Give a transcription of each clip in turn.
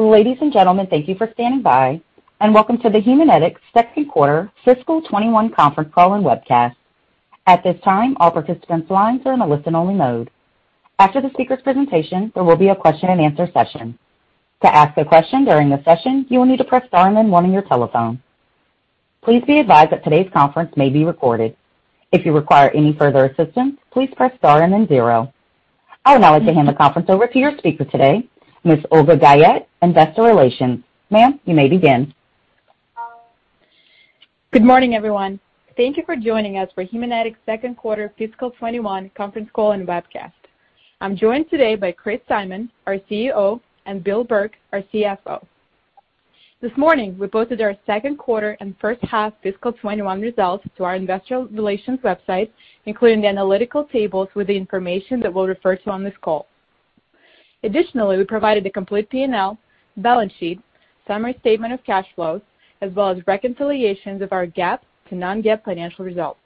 Ladies and gentlemen, thank you for standing by and welcome to the Haemonetics Second Quarter Fiscal 2021 Conference Call and Webcast. At this time, all participants' lines are in a listen-only mode. After the speakers' presentation, there will be a question and answer session. To ask a question during the session, you will need to press star and then one on your telephone. Please be advised that today's conference may be recorded. If you require any further assistance, please press star and then zero. I would now like to hand the conference over to your speaker today, Ms. Olga Guyette, Investor Relations. Ma'am, you may begin. Good morning, everyone. Thank you for joining us for Haemonetics' second quarter fiscal 2021 conference call and webcast. I'm joined today by Chris Simon, our CEO, and Bill Burke, our CFO. This morning, we posted our second quarter and first half fiscal 2021 results to our investor relations website, including the analytical tables with the information that we'll refer to on this call. Additionally, we provided a complete P&L, balance sheet, summary statement of cash flows, as well as reconciliations of our GAAP to non-GAAP financial results.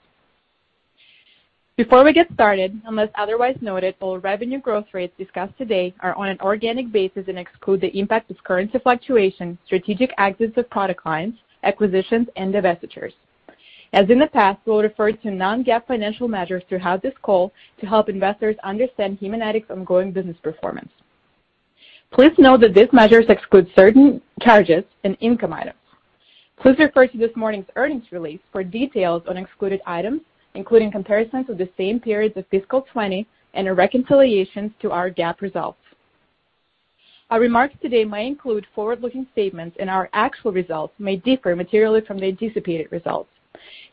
Before we get started, unless otherwise noted, all revenue growth rates discussed today are on an organic basis and exclude the impact of currency fluctuation, strategic exits of product lines, acquisitions, and divestitures. As in the past, we'll refer to non-GAAP financial measures throughout this call to help investors understand Haemonetics' ongoing business performance. Please note that these measures exclude certain charges and income items. Please refer to this morning's earnings release for details on excluded items, including comparisons with the same period of fiscal 2020 and a reconciliation to our GAAP results. Our remarks today may include forward-looking statements, and our actual results may differ materially from the anticipated results.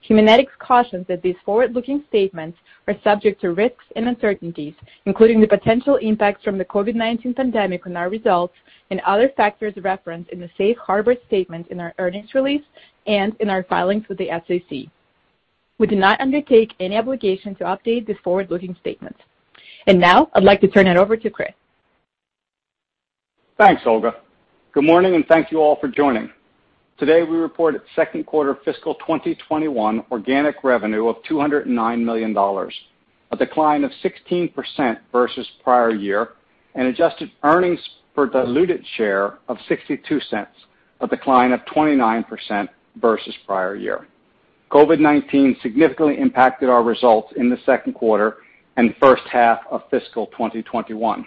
Haemonetics cautions that these forward-looking statements are subject to risks and uncertainties, including the potential impacts from the COVID-19 pandemic on our results and other factors referenced in the safe harbor statement in our earnings release and in our filings with the SEC. We do not undertake any obligation to update these forward-looking statements. Now, I'd like to turn it over to Chris. Thanks, Olga. Good morning, and thank you all for joining. Today, we reported second quarter fiscal 2021 organic revenue of $209 million, a decline of 16% versus prior year, and adjusted earnings per diluted share of $0.62, a decline of 29% versus prior year. COVID-19 significantly impacted our results in the second quarter and first half of fiscal 2021.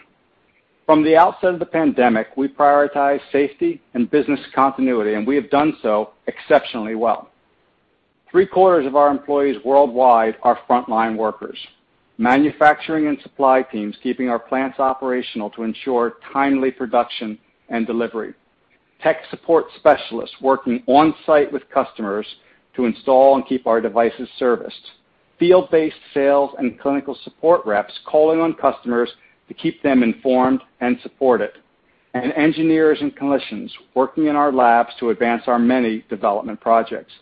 From the outset of the pandemic, we prioritized safety and business continuity, and we have done so exceptionally well. Three-quarters of our employees worldwide are frontline workers, manufacturing and supply teams keeping our plants operational to ensure timely production and delivery, tech support specialists working on-site with customers to install and keep our devices serviced, field-based sales and clinical support reps calling on customers to keep them informed and supported, and engineers and clinicians working in our labs to advance our many development projects.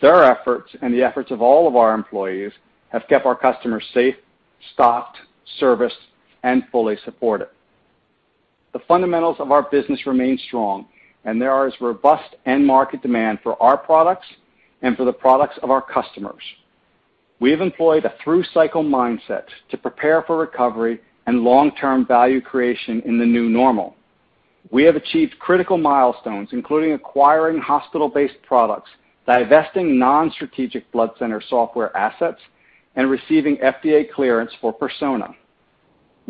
Their efforts and the efforts of all of our employees have kept our customers safe, stocked, serviced, and fully supported. The fundamentals of our business remain strong, and there is robust end market demand for our products and for the products of our customers. We have employed a through-cycle mindset to prepare for recovery and long-term value creation in the new normal. We have achieved critical milestones, including acquiring hospital-based products, divesting non-strategic Blood Center software assets, and receiving FDA clearance for Persona.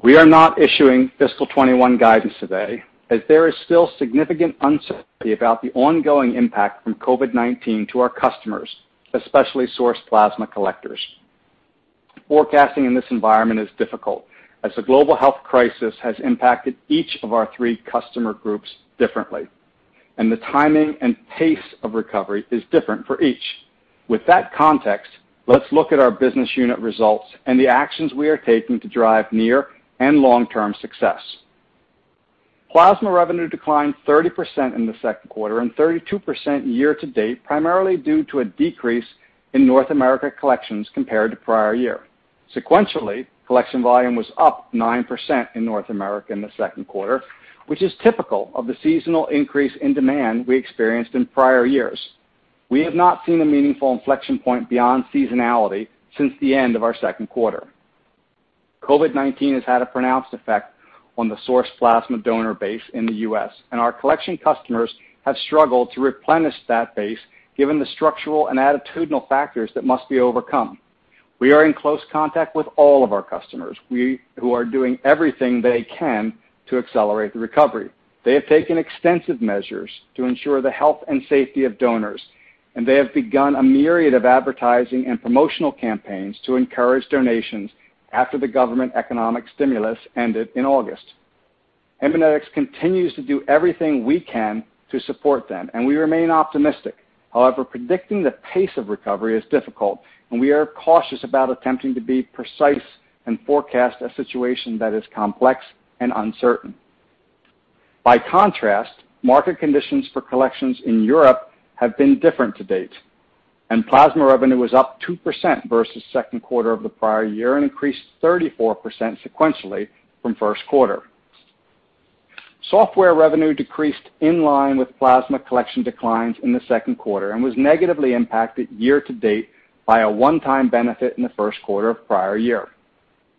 We are not issuing fiscal 2021 guidance today, as there is still significant uncertainty about the ongoing impact from COVID-19 to our customers, especially sourced plasma collectors. Forecasting in this environment is difficult, as the global health crisis has impacted each of our three customer groups differently, and the timing and pace of recovery is different for each. With that context, let's look at our business unit results and the actions we are taking to drive near and long-term success. Plasma revenue declined 30% in the second quarter and 32% year-to-date, primarily due to a decrease in North America collections compared to prior year. Sequentially, collection volume was up 9% in North America in the second quarter, which is typical of the seasonal increase in demand we experienced in prior years. We have not seen a meaningful inflection point beyond seasonality since the end of our second quarter. COVID-19 has had a pronounced effect on the sourced plasma donor base in the U.S., and our collection customers have struggled to replenish that base given the structural and attitudinal factors that must be overcome. We are in close contact with all of our customers, who are doing everything they can to accelerate the recovery. They have taken extensive measures to ensure the health and safety of donors, and they have begun a myriad of advertising and promotional campaigns to encourage donations after the government economic stimulus ended in August. Haemonetics continues to do everything we can to support them, and we remain optimistic. However, predicting the pace of recovery is difficult, and we are cautious about attempting to be precise and forecast a situation that is complex and uncertain. By contrast, market conditions for collections in Europe have been different to date, and plasma revenue was up 2% versus second quarter of the prior year and increased 34% sequentially from first quarter. Software revenue decreased in line with plasma collection declines in the second quarter and was negatively impacted year to date by a one-time benefit in the first quarter of prior year.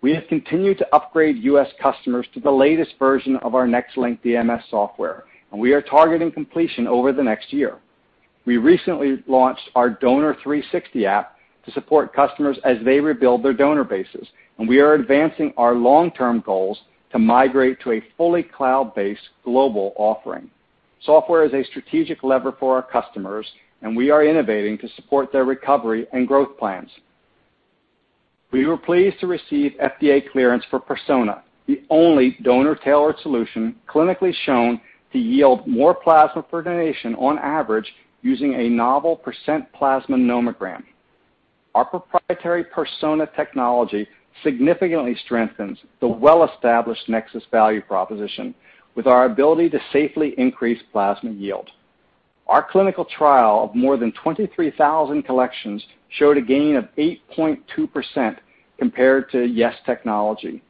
We have continued to upgrade U.S. customers to the latest version of our NexLynk DMS software, and we are targeting completion over the next year. We recently launched our Donor360 app to support customers as they rebuild their donor bases, and we are advancing our long-term goals to migrate to a fully cloud-based global offering. Software is a strategic lever for our customers, and we are innovating to support their recovery and growth plans. We were pleased to receive FDA clearance for Persona, the only donor-tailored solution clinically shown to yield more plasma per donation on average using a novel percent plasma nomogram. Our proprietary Persona technology significantly strengthens the well-established NexSys value proposition with our ability to safely increase plasma yield. Our clinical trial of more than 23,000 collections showed a gain of 8.2% compared to YES technology.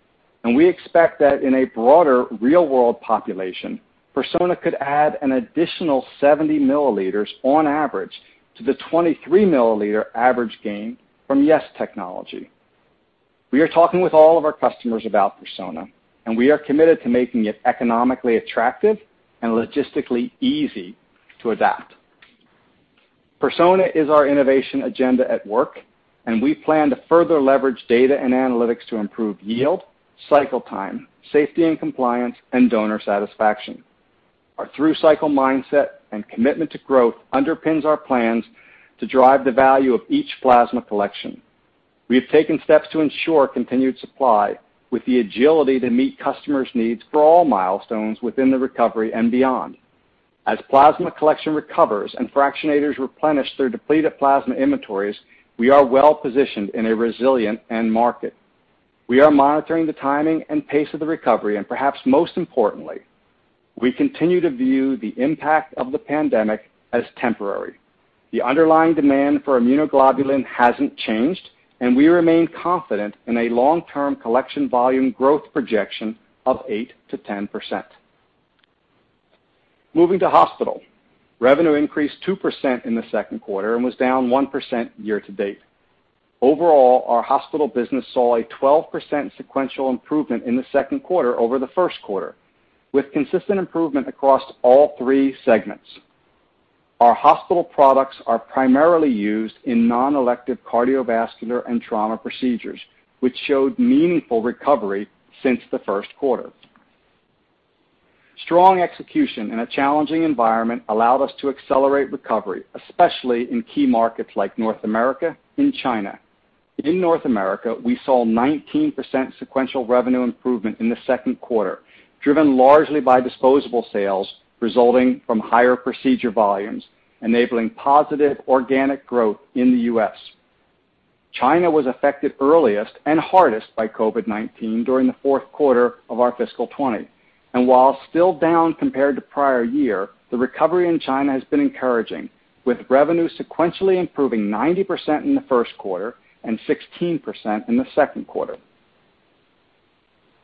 We expect that in a broader real-world population, Persona could add an additional 70 milliliters on average to the 23-milliliter average gain from YES technology. We are talking with all of our customers about Persona, and we are committed to making it economically attractive and logistically easy to adapt. Persona is our innovation agenda at work, and we plan to further leverage data and analytics to improve yield, cycle time, safety and compliance, and donor satisfaction. Our through-cycle mindset and commitment to growth underpins our plans to drive the value of each plasma collection. We have taken steps to ensure continued supply with the agility to meet customers' needs for all milestones within the recovery and beyond. As plasma collection recovers and fractionators replenish their depleted plasma inventories, we are well-positioned in a resilient end market. We are monitoring the timing and pace of the recovery, and perhaps most importantly, we continue to view the impact of the pandemic as temporary. The underlying demand for immunoglobulin hasn't changed, and we remain confident in a long-term collection volume growth projection of 8%-10%. Moving to Hospital. Revenue increased 2% in the second quarter and was down 1% year-to-date. Overall, our Hospital business saw a 12% sequential improvement in the second quarter over the first quarter, with consistent improvement across all three segments. Our Hospital products are primarily used in non-elective cardiovascular and trauma procedures, which showed meaningful recovery since the first quarter. Strong execution in a challenging environment allowed us to accelerate recovery, especially in key markets like North America and China. In North America, we saw 19% sequential revenue improvement in the second quarter, driven largely by disposable sales resulting from higher procedure volumes, enabling positive organic growth in the U.S. China was affected earliest and hardest by COVID-19 during the fourth quarter of our fiscal 2020. While still down compared to prior year, the recovery in China has been encouraging, with revenue sequentially improving 90% in the first quarter and 16% in the second quarter.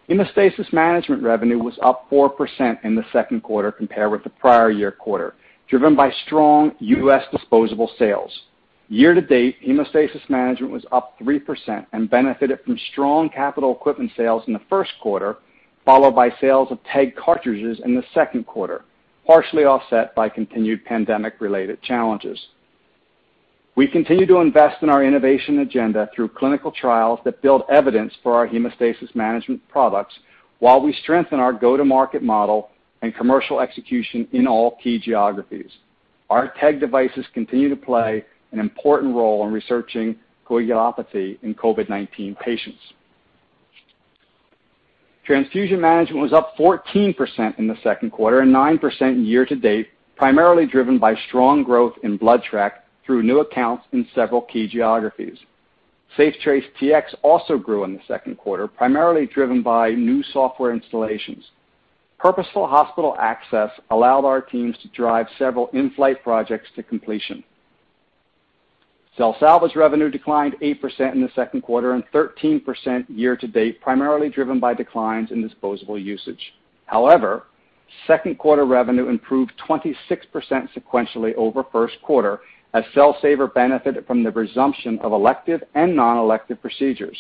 Hemostasis Management revenue was up 4% in the second quarter compared with the prior year quarter, driven by strong U.S. disposable sales. Year to date, Hemostasis Management was up 3% and benefited from strong capital equipment sales in the first quarter, followed by sales of TEG cartridges in the second quarter, partially offset by continued pandemic-related challenges. We continue to invest in our innovation agenda through clinical trials that build evidence for our Hemostasis Management products while we strengthen our go-to-market model and commercial execution in all key geographies. Our TEG devices continue to play an important role in researching coagulopathy in COVID-19 patients. Transfusion Management was up 14% in the second quarter and 9% year to date, primarily driven by strong growth in BloodTrack through new accounts in several key geographies. SafeTrace Tx also grew in the second quarter, primarily driven by new software installations. Purposeful hospital access allowed our teams to drive several in-flight projects to completion. Cell Salvage revenue declined 8% in the second quarter and 13% year to date, primarily driven by declines in disposable usage. However, second quarter revenue improved 26% sequentially over first quarter as Cell Saver benefited from the resumption of elective and non-elective procedures.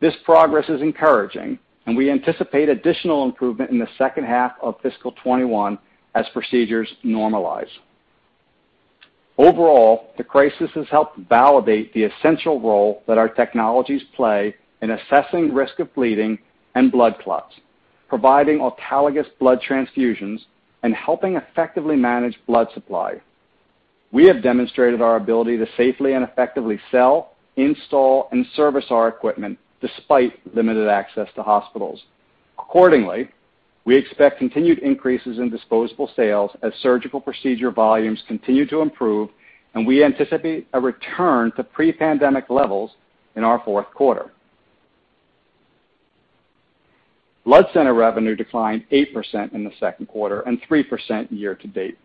This progress is encouraging, and we anticipate additional improvement in the second half of fiscal 2021 as procedures normalize. Overall, the crisis has helped validate the essential role that our technologies play in assessing risk of bleeding and blood clots, providing autologous blood transfusions, and helping effectively manage blood supply. We have demonstrated our ability to safely and effectively sell, install, and service our equipment despite limited access to hospitals. Accordingly, we expect continued increases in disposable sales as surgical procedure volumes continue to improve, and we anticipate a return to pre-pandemic levels in our fourth quarter. Blood Center revenue declined 8% in the second quarter and 3% year to date.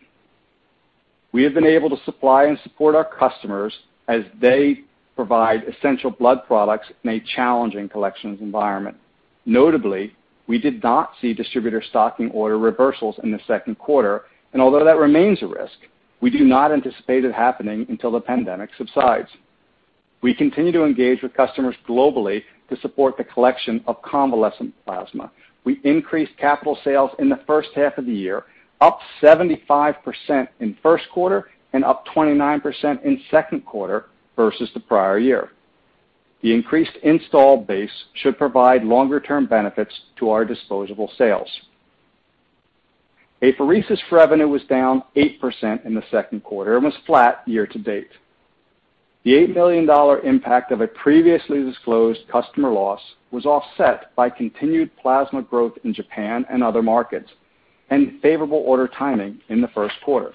We have been able to supply and support our customers as they provide essential blood products in a challenging collections environment. Notably, we did not see distributor stocking order reversals in the second quarter, and although that remains a risk, we do not anticipate it happening until the pandemic subsides. We continue to engage with customers globally to support the collection of convalescent plasma. We increased capital sales in the first half of the year, up 75% in first quarter and up 29% in second quarter versus the prior year. The increased install base should provide longer-term benefits to our disposable sales. Apheresis revenue was down 8% in the second quarter and was flat year to date. The $8 million impact of a previously disclosed customer loss was offset by continued plasma growth in Japan and other markets, and favorable order timing in the first quarter.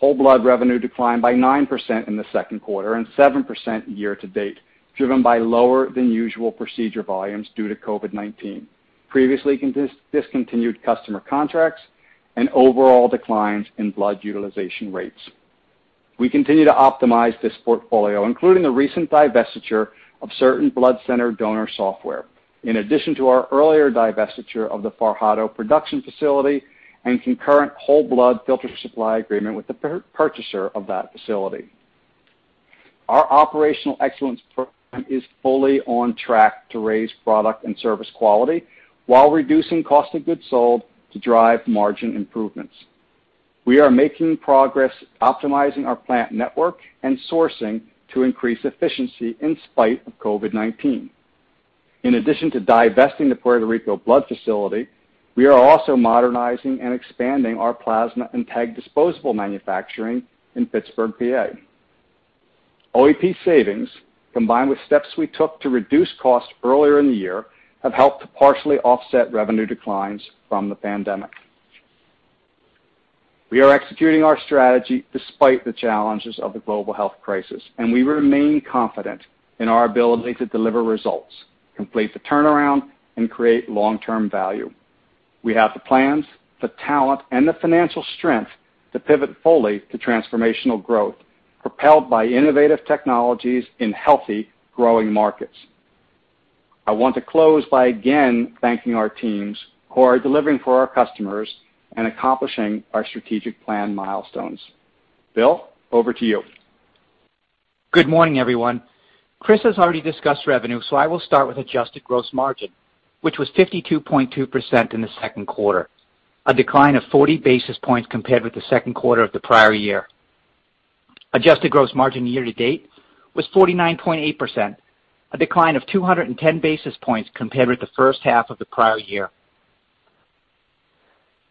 Whole Blood revenue declined by 9% in the second quarter and 7% year-to-date, driven by lower than usual procedure volumes due to COVID-19, previously discontinued customer contracts, and overall declines in blood utilization rates. We continue to optimize this portfolio, including the recent divestiture of certain Blood Center donor software, in addition to our earlier divestiture of the Fajardo production facility and concurrent whole blood filter supply agreement with the purchaser of that facility. Our Operational Excellence Program is fully on track to raise product and service quality while reducing cost of goods sold to drive margin improvements. We are making progress optimizing our plant network and sourcing to increase efficiency in spite of COVID-19. In addition to divesting the Puerto Rico blood facility, we are also modernizing and expanding our plasma and TEG disposable manufacturing in Pittsburgh, PA. OEP savings, combined with steps we took to reduce costs earlier in the year, have helped to partially offset revenue declines from the pandemic. We are executing our strategy despite the challenges of the global health crisis, and we remain confident in our ability to deliver results, complete the turnaround, and create long-term value. We have the plans, the talent, and the financial strength to pivot fully to transformational growth, propelled by innovative technologies in healthy growing markets. I want to close by again thanking our teams who are delivering for our customers and accomplishing our strategic plan milestones. Bill, over to you. Good morning, everyone. Chris has already discussed revenue. I will start with adjusted gross margin, which was 52.2% in the second quarter, a decline of 40 basis points compared with the second quarter of the prior year. Adjusted gross margin year to date was 49.8%, a decline of 210 basis points compared with the first half of the prior year.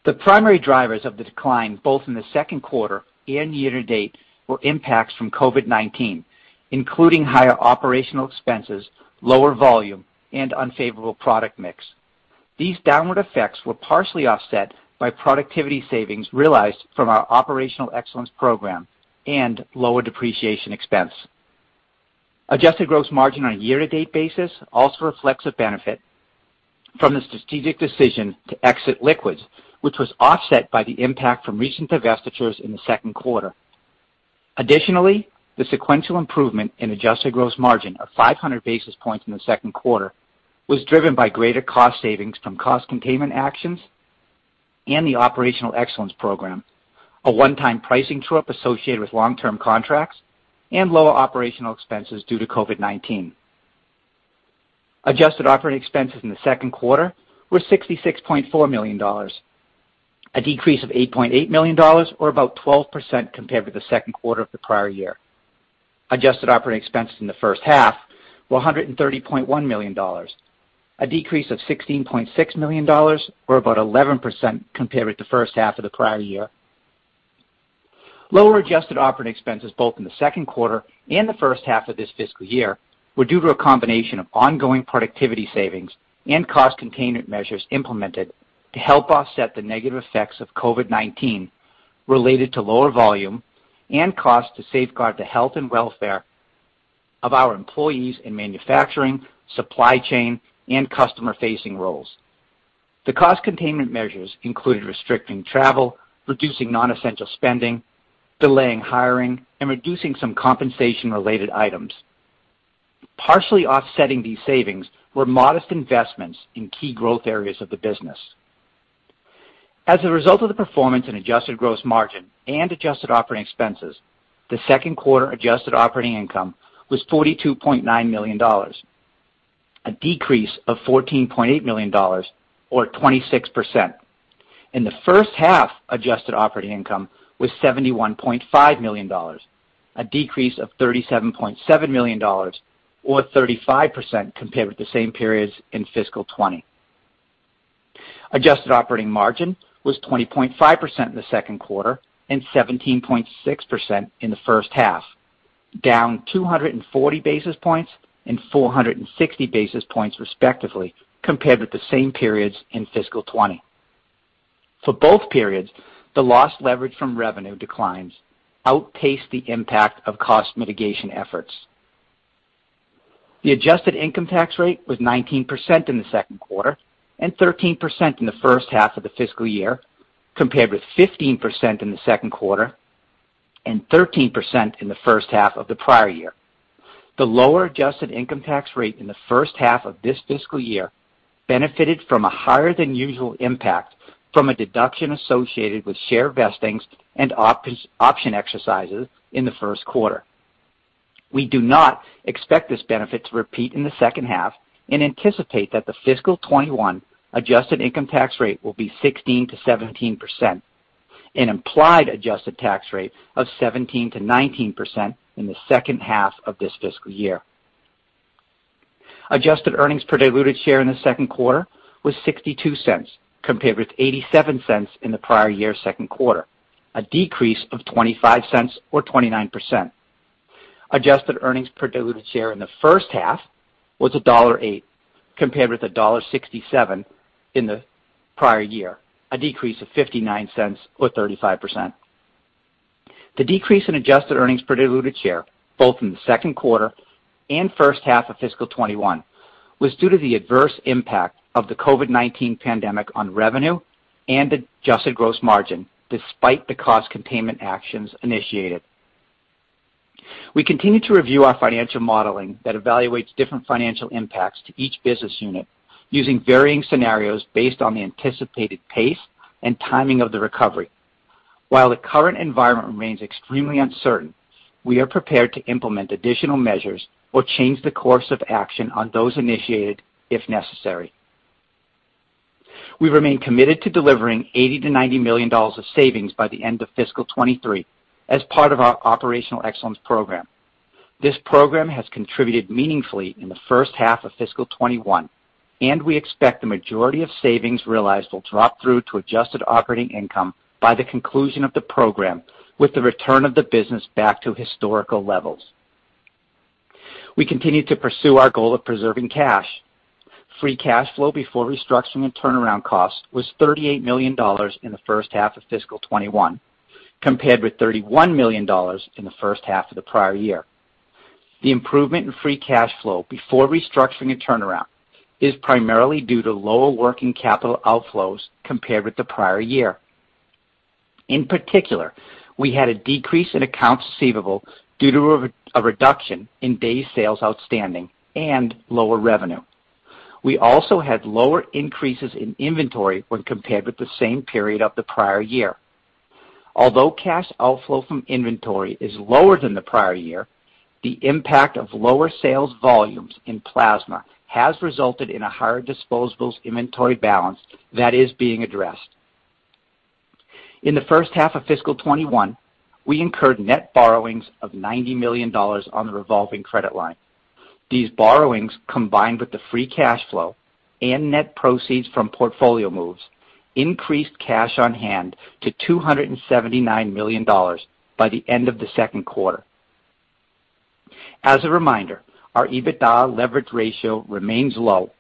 The primary drivers of the decline, both in the second quarter and year to date, were impacts from COVID-19, including higher operational expenses, lower volume, and unfavorable product mix. These downward effects were partially offset by productivity savings realized from our Operational Excellence Program and lower depreciation expense. Adjusted gross margin on a year-to-date basis also reflects a benefit from the strategic decision to exit liquids, which was offset by the impact from recent divestitures in the second quarter. Additionally, the sequential improvement in adjusted gross margin of 500 basis points in the second quarter was driven by greater cost savings from cost containment actions and the Operational Excellence Program, a one-time pricing true-up associated with long-term contracts, and lower operational expenses due to COVID-19. Adjusted operating expenses in the second quarter were $66.4 million, a decrease of $8.8 million or about 12% compared with the second quarter of the prior year. Adjusted operating expenses in the first half were $130.1 million, a decrease of $16.6 million or about 11% compared with the first half of the prior year. Lower adjusted operating expenses, both in the second quarter and the first half of this fiscal year, were due to a combination of ongoing productivity savings and cost containment measures implemented to help offset the negative effects of COVID-19 related to lower volume and cost to safeguard the health and welfare of our employees in manufacturing, supply chain, and customer-facing roles. The cost containment measures included restricting travel, reducing non-essential spending, delaying hiring, and reducing some compensation related items. Partially offsetting these savings were modest investments in key growth areas of the business. As a result of the performance in adjusted gross margin and adjusted operating expenses, the second quarter adjusted operating income was $42.9 million, a decrease of $14.8 million or 26%. In the first half, adjusted operating income was $71.5 million, a decrease of $37.7 million or 35% compared with the same periods in fiscal 2020. Adjusted operating margin was 20.5% in the second quarter and 17.6% in the first half, down 240 basis points and 460 basis points respectively, compared with the same periods in fiscal 2020. For both periods, the lost leverage from revenue declines outpaced the impact of cost mitigation efforts. The adjusted income tax rate was 19% in the second quarter and 13% in the first half of the fiscal year, compared with 15% in the second quarter and 13% in the first half of the prior year. The lower adjusted income tax rate in the first half of this fiscal year benefited from a higher than usual impact from a deduction associated with share vestings and option exercises in the first quarter. We do not expect this benefit to repeat in the second half and anticipate that the fiscal 2021 adjusted income tax rate will be 16%-17%, an implied adjusted tax rate of 17%-19% in the second half of this fiscal year. Adjusted earnings per diluted share in the second quarter was $0.62, compared with $0.87 in the prior year's second quarter, a decrease of $0.25 or 29%. Adjusted earnings per diluted share in the first half was $1.08, compared with $1.67 in the prior year, a decrease of $0.59 or 35%. The decrease in adjusted earnings per diluted share, both in the second quarter and first half of fiscal 2021, was due to the adverse impact of the COVID-19 pandemic on revenue and adjusted gross margin, despite the cost containment actions initiated. We continue to review our financial modeling that evaluates different financial impacts to each business unit using varying scenarios based on the anticipated pace and timing of the recovery. While the current environment remains extremely uncertain, we are prepared to implement additional measures or change the course of action on those initiated if necessary. We remain committed to delivering $80 million-$90 million of savings by the end of fiscal 2023 as part of our Operational Excellence Program. This program has contributed meaningfully in the first half of fiscal 2021, and we expect the majority of savings realized will drop through to adjusted operating income by the conclusion of the program with the return of the business back to historical levels. We continue to pursue our goal of preserving cash. Free cash flow before restructuring and turnaround costs was $38 million in the first half of fiscal 2021, compared with $31 million in the first half of the prior year. The improvement in free cash flow before restructuring and turnaround is primarily due to lower working capital outflows compared with the prior year. In particular, we had a decrease in accounts receivable due to a reduction in days sales outstanding and lower revenue. We also had lower increases in inventory when compared with the same period of the prior year. Although cash outflow from inventory is lower than the prior year, the impact of lower sales volumes in plasma has resulted in a higher disposables inventory balance that is being addressed. In the first half of fiscal 2021, we incurred net borrowings of $90 million on the revolving credit line. These borrowings, combined with the free cash flow and net proceeds from portfolio moves, increased cash on hand to $279 million by the end of the second quarter. As a reminder, our EBITDA leverage ratio remains low,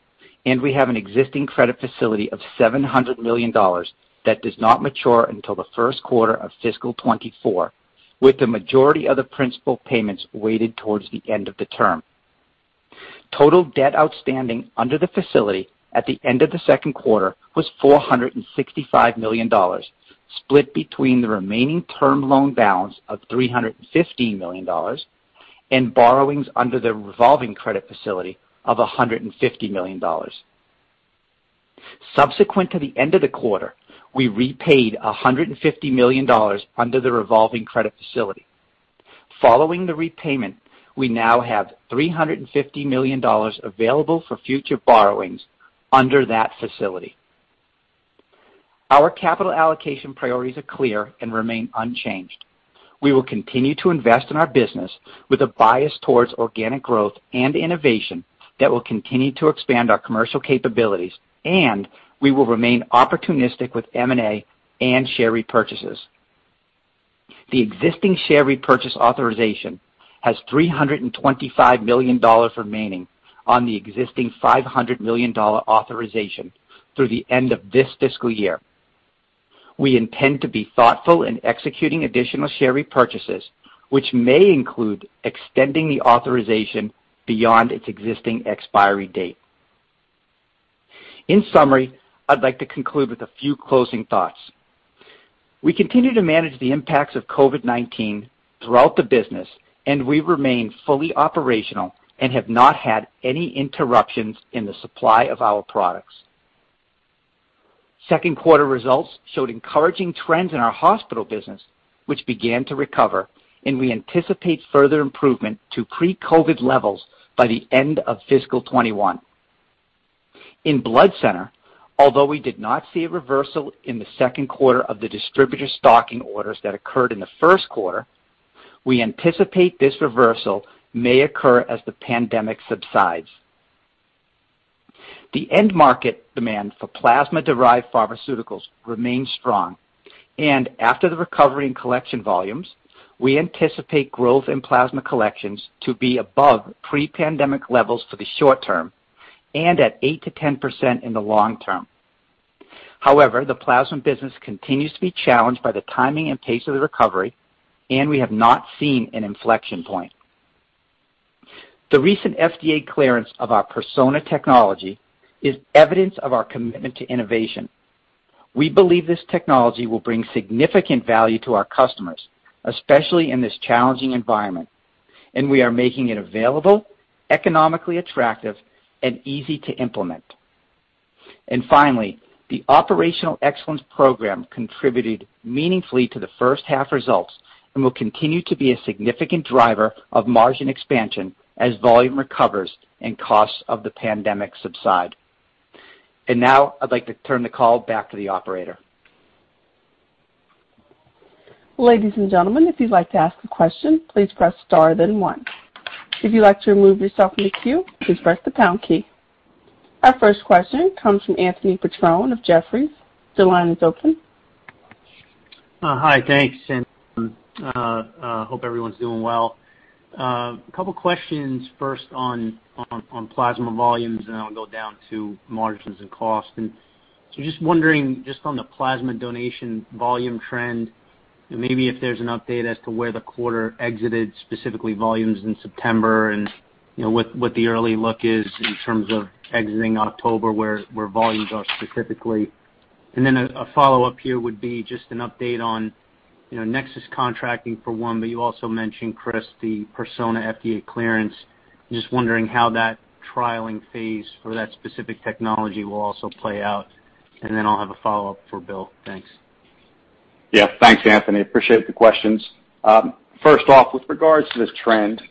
and we have an existing credit facility of $700 million that does not mature until the first quarter of fiscal 2024, with the majority of the principal payments weighted towards the end of the term. Total debt outstanding under the facility at the end of the second quarter was $465 million, split between the remaining term loan balance of $315 million and borrowings under the revolving credit facility of $150 million. Subsequent to the end of the quarter, we repaid $150 million under the revolving credit facility. Following the repayment, we now have $350 million available for future borrowings under that facility. Our capital allocation priorities are clear and remain unchanged. We will continue to invest in our business with a bias towards organic growth and innovation that will continue to expand our commercial capabilities. We will remain opportunistic with M&A and share repurchases. The existing share repurchase authorization has $325 million remaining on the existing $500 million authorization through the end of this fiscal year. We intend to be thoughtful in executing additional share repurchases, which may include extending the authorization beyond its existing expiry date. In summary, I'd like to conclude with a few closing thoughts. We continue to manage the impacts of COVID-19 throughout the business. We remain fully operational and have not had any interruptions in the supply of our products. Second quarter results showed encouraging trends in our Hospital business, which began to recover. We anticipate further improvement to pre-COVID levels by the end of fiscal 2021. In Blood Center, although we did not see a reversal in the second quarter of the distributor stocking orders that occurred in the first quarter, we anticipate this reversal may occur as the pandemic subsides. The end market demand for plasma-derived pharmaceuticals remains strong, and after the recovery in collection volumes, we anticipate growth in plasma collections to be above pre-pandemic levels for the short term and at 8%-10% in the long term. However, the Plasma business continues to be challenged by the timing and pace of the recovery, and we have not seen an inflection point. The recent FDA clearance of our Persona technology is evidence of our commitment to innovation. We believe this technology will bring significant value to our customers, especially in this challenging environment, and we are making it available, economically attractive, and easy to implement. Finally, the Operational Excellence Program contributed meaningfully to the first half results and will continue to be a significant driver of margin expansion as volume recovers and costs of the pandemic subside. Now I'd like to turn the call back to the operator. Ladies and gentlemen, if you'd like to ask a question, please press star, then one. If you'd like to remove yourself from the queue, please press the pound key. Our first question comes from Anthony Petrone of Jefferies. Your line is open. Hi. Thanks, hope everyone's doing well. A couple questions first on plasma volumes. Then I'll go down to margins and cost. Just wondering on the plasma donation volume trend, maybe if there's an update as to where the quarter exited, specifically volumes in September and what the early look is in terms of exiting October, where volumes are specifically. A follow-up here would be just an update on NexSys contracting for one. You also mentioned, Chris, the Persona FDA clearance. Just wondering how that trialing phase for that specific technology will also play out. I'll have a follow-up for Bill. Thanks. Yeah. Thanks, Anthony. Appreciate the questions. First off, with regards to this trend,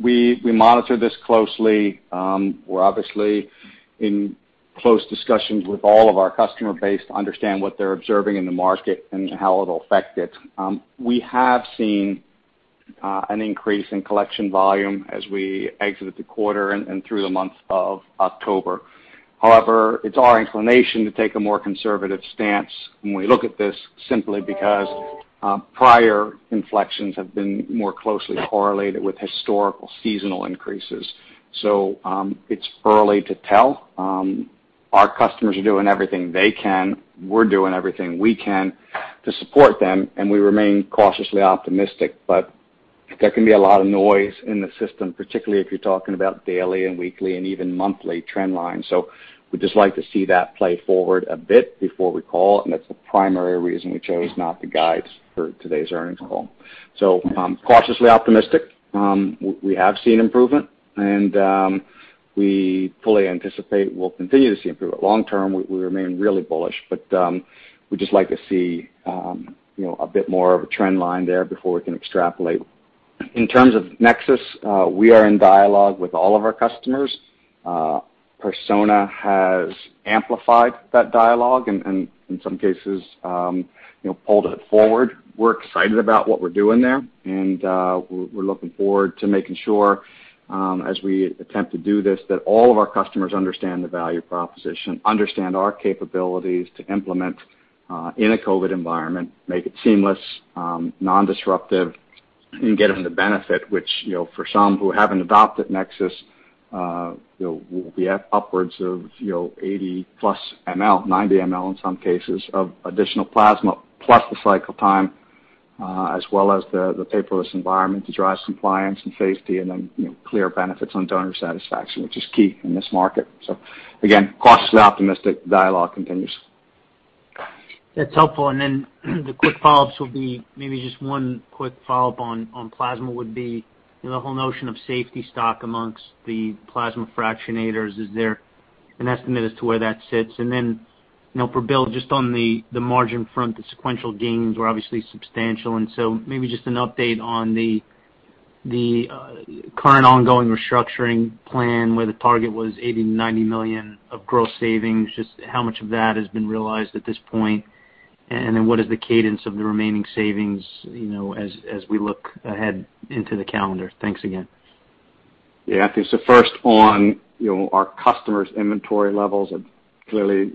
we monitor this closely. We're obviously in close discussions with all of our customer base to understand what they're observing in the market and how it'll affect it. We have seen an increase in collection volume as we exit the quarter and through the month of October. It's our inclination to take a more conservative stance when we look at this, simply because prior inflections have been more closely correlated with historical seasonal increases. It's early to tell. Our customers are doing everything they can. We're doing everything we can to support them, and we remain cautiously optimistic. There can be a lot of noise in the system, particularly if you're talking about daily and weekly and even monthly trend lines. We'd just like to see that play forward a bit before we call, and that's the primary reason we chose not to guide for today's earnings call. Cautiously optimistic. We have seen improvement, and we fully anticipate we'll continue to see improvement. Long term, we remain really bullish, but we'd just like to see a bit more of a trend line there before we can extrapolate. In terms of NexSys, we are in dialogue with all of our customers. Persona has amplified that dialogue and in some cases pulled it forward. We're excited about what we're doing there, and we're looking forward to making sure as we attempt to do this, that all of our customers understand the value proposition, understand our capabilities to implement in a COVID environment, make it seamless, non-disruptive, and get them the benefit, which, for some who haven't adopted NexSys, will be at upwards of 80+ ml, 90 ml in some cases, of additional plasma, plus the cycle time as well as the paperless environment to drive compliance and safety and then clear benefits on donor satisfaction, which is key in this market. Again, cautiously optimistic. Dialogue continues. That's helpful. The quick follow-ups will be maybe just one quick follow-up on plasma would be the whole notion of safety stock amongst the plasma fractionators. Is there an estimate as to where that sits? For Bill, just on the margin front, the sequential gains were obviously substantial, maybe just an update on the current ongoing Operational Excellence Program where the target was $80 million-$90 million of gross savings, just how much of that has been realized at this point, what is the cadence of the remaining savings as we look ahead into the calendar? Thanks again. First on our customers' inventory levels are clearly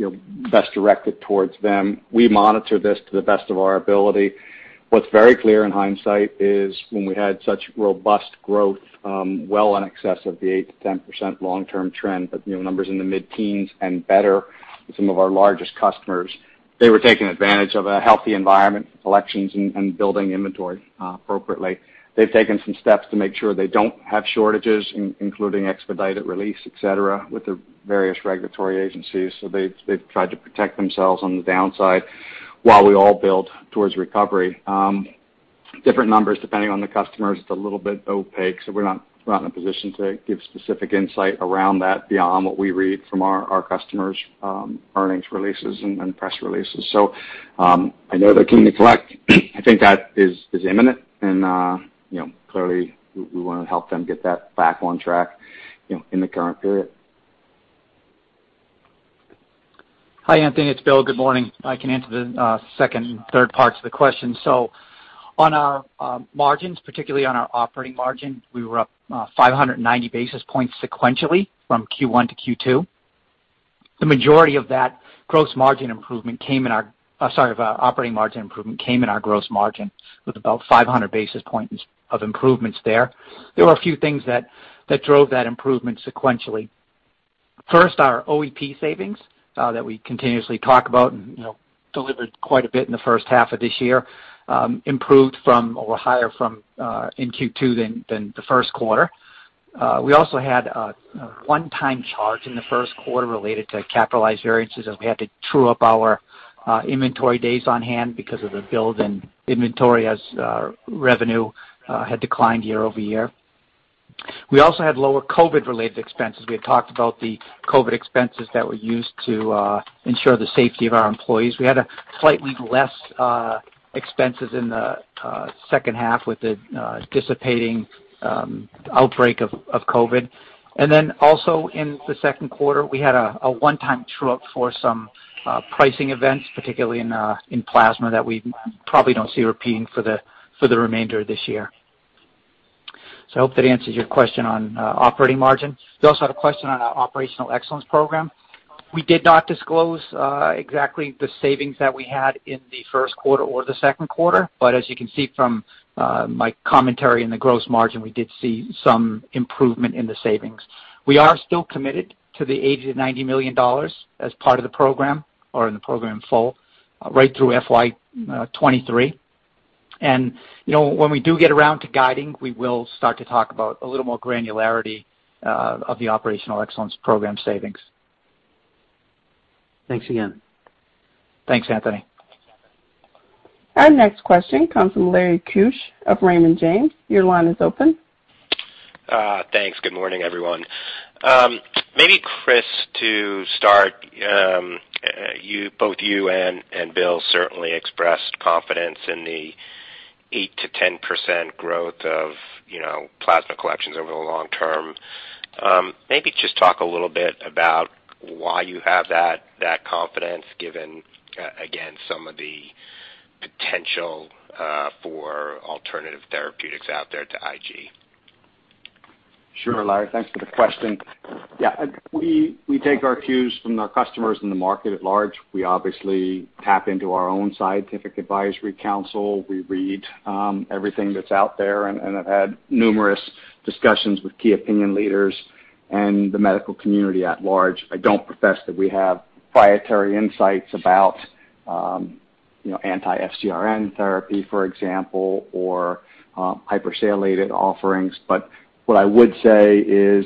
best directed towards them. We monitor this to the best of our ability. What's very clear in hindsight is when we had such robust growth well in excess of the 8%-10% long-term trend, but numbers in the mid-teens and better with some of our largest customers, they were taking advantage of a healthy environment for collections and building inventory appropriately. They've taken some steps to make sure they don't have shortages, including expedited release, et cetera, with the various regulatory agencies. They've tried to protect themselves on the downside while we all build towards recovery. Different numbers depending on the customers. It's a little bit opaque, so we're not in a position to give specific insight around that beyond what we read from our customers' earnings releases and press releases. I know they're keen to collect. I think that is imminent and clearly we want to help them get that back on track in the current period. Hi, Anthony. It's Bill. Good morning. I can answer the second and third parts of the question. On our margins, particularly on our operating margin, we were up 590 basis points sequentially from Q1 to Q2. The majority of that operating margin improvement came in our gross margin with about 500 basis points of improvements there. There were a few things that drove that improvement sequentially. First, our OEP savings that we continuously talk about and delivered quite a bit in the first half of this year, improved from or were higher from in Q2 than the first quarter. We also had a one-time charge in the first quarter related to capitalized variances, as we had to true up our inventory days on hand because of the build in inventory as revenue had declined year-over-year. We also had lower COVID-related expenses. We had talked about the COVID expenses that were used to ensure the safety of our employees. We had slightly less expenses in the second half with the dissipating outbreak of COVID. Also in the second quarter, we had a one-time true-up for some pricing events, particularly in Plasma that we probably don't see repeating for the remainder of this year. I hope that answers your question on operating margin. You also had a question on our Operational Excellence Program. We did not disclose exactly the savings that we had in the first quarter or the second quarter, as you can see from my commentary in the gross margin, we did see some improvement in the savings. We are still committed to the $80 million-$90 million as part of the program or in the program full, right through FY 2023. When we do get around to guiding, we will start to talk about a little more granularity of the Operational Excellence Program savings. Thanks again. Thanks, Anthony. Our next question comes from Larry Keusch of Raymond James. Your line is open. Thanks. Good morning, everyone. Maybe Chris, to start, both you and Bill certainly expressed confidence in the 8%-10% growth of plasma collections over the long term. Maybe just talk a little bit about why you have that confidence given, again, some of the potential for alternative therapeutics out there to IG. Sure, Larry, thanks for the question. We take our cues from our customers in the market at large. We obviously tap into our own scientific advisory council. We read everything that's out there and have had numerous discussions with key opinion leaders and the medical community at large. I don't profess that we have proprietary insights about anti-FcRn therapy, for example, or hypersialylated offerings. What I would say is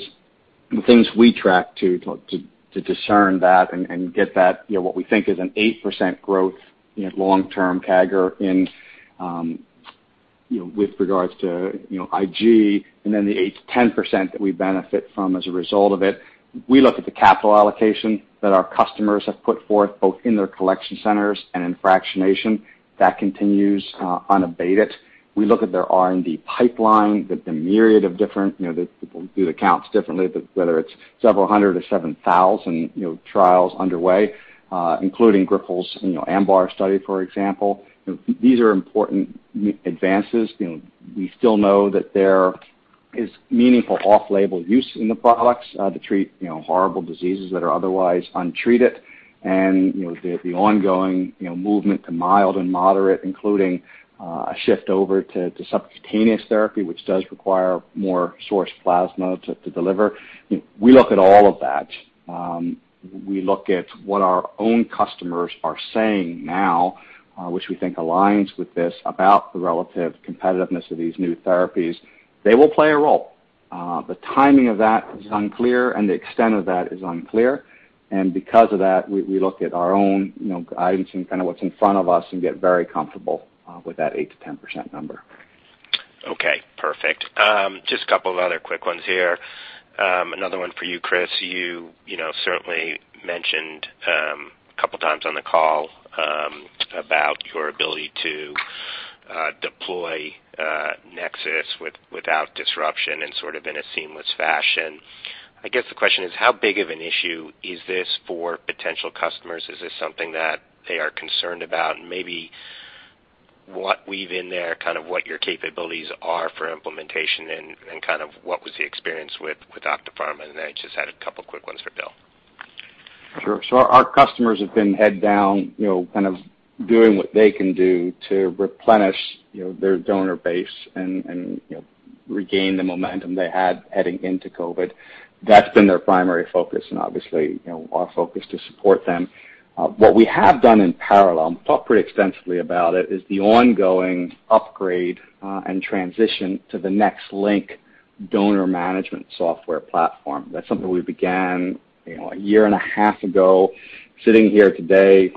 the things we track to discern that and get that what we think is an 8% growth long-term CAGR with regards to IG and then the 8%-10% that we benefit from as a result of it. We look at the capital allocation that our customers have put forth, both in their collection centers and in fractionation. That continues unabated. We look at their R&D pipeline, the myriad of different people do the counts differently, but whether it's several hundred or 7,000 trials underway, including Grifols' AMBAR study, for example. These are important advances. We still know that there is meaningful off-label use in the products to treat horrible diseases that are otherwise untreated and the ongoing movement to mild and moderate, including a shift over to subcutaneous therapy, which does require more sourced plasma to deliver. We look at all of that. We look at what our own customers are saying now, which we think aligns with this, about the relative competitiveness of these new therapies. They will play a role. The timing of that is unclear, the extent of that is unclear. Because of that, we look at our own guidance and kind of what's in front of us and get very comfortable with that 8%-10% number. Okay, perfect. Just a couple of other quick ones here. Another one for you, Chris. You certainly mentioned a couple of times on the call about your ability to deploy NexSys PCS without disruption and sort of in a seamless fashion. I guess the question is how big of an issue is this for potential customers? Is this something that they are concerned about? Maybe what weave in there kind of what your capabilities are for implementation and kind of what was the experience with Octapharma. Then I just had a couple quick ones for Bill. Sure. Our customers have been head down, kind of doing what they can do to replenish their donor base and regain the momentum they had heading into COVID-19. That's been their primary focus and obviously our focus to support them. What we have done in parallel, and we've talked pretty extensively about it, is the ongoing upgrade and transition to the NexLynk donor management software platform. That's something we began a year and a half ago. Sitting here today,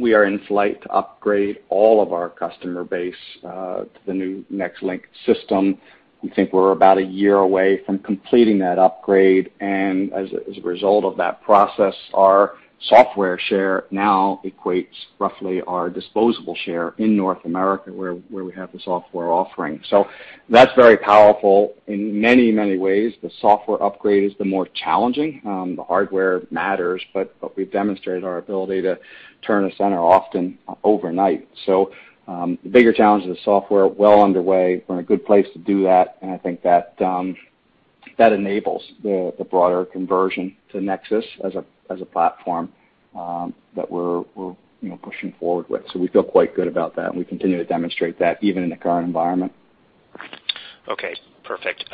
we are in flight to upgrade all of our customer base to the new NexLynk system. We think we're about one year away from completing that upgrade, and as a result of that process, our software share now equates roughly our disposable share in North America, where we have the software offering. That's very powerful in many ways. The software upgrade is the more challenging. The hardware matters. We've demonstrated our ability to turn a center often overnight. The bigger challenge is the software well underway. We're in a good place to do that, and I think that enables the broader conversion to NexSys as a platform that we're pushing forward with. We feel quite good about that, and we continue to demonstrate that even in the current environment. Okay, perfect.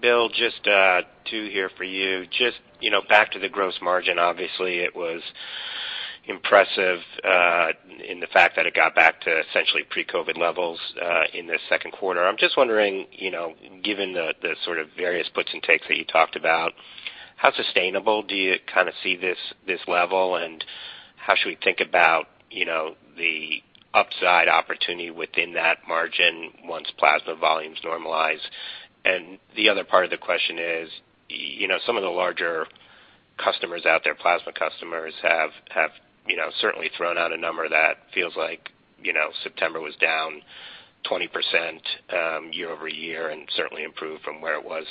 Bill, just two here for you. Just back to the gross margin. Obviously, it was impressive in the fact that it got back to essentially pre-COVID levels in the second quarter. I'm just wondering, given the sort of various puts and takes that you talked about, how sustainable do you see this level, and how should we think about the upside opportunity within that margin once plasma volumes normalize? The other part of the question is, some of the larger customers out there, plasma customers, have certainly thrown out a number that feels like September was down 20% year-over-year and certainly improved from where it was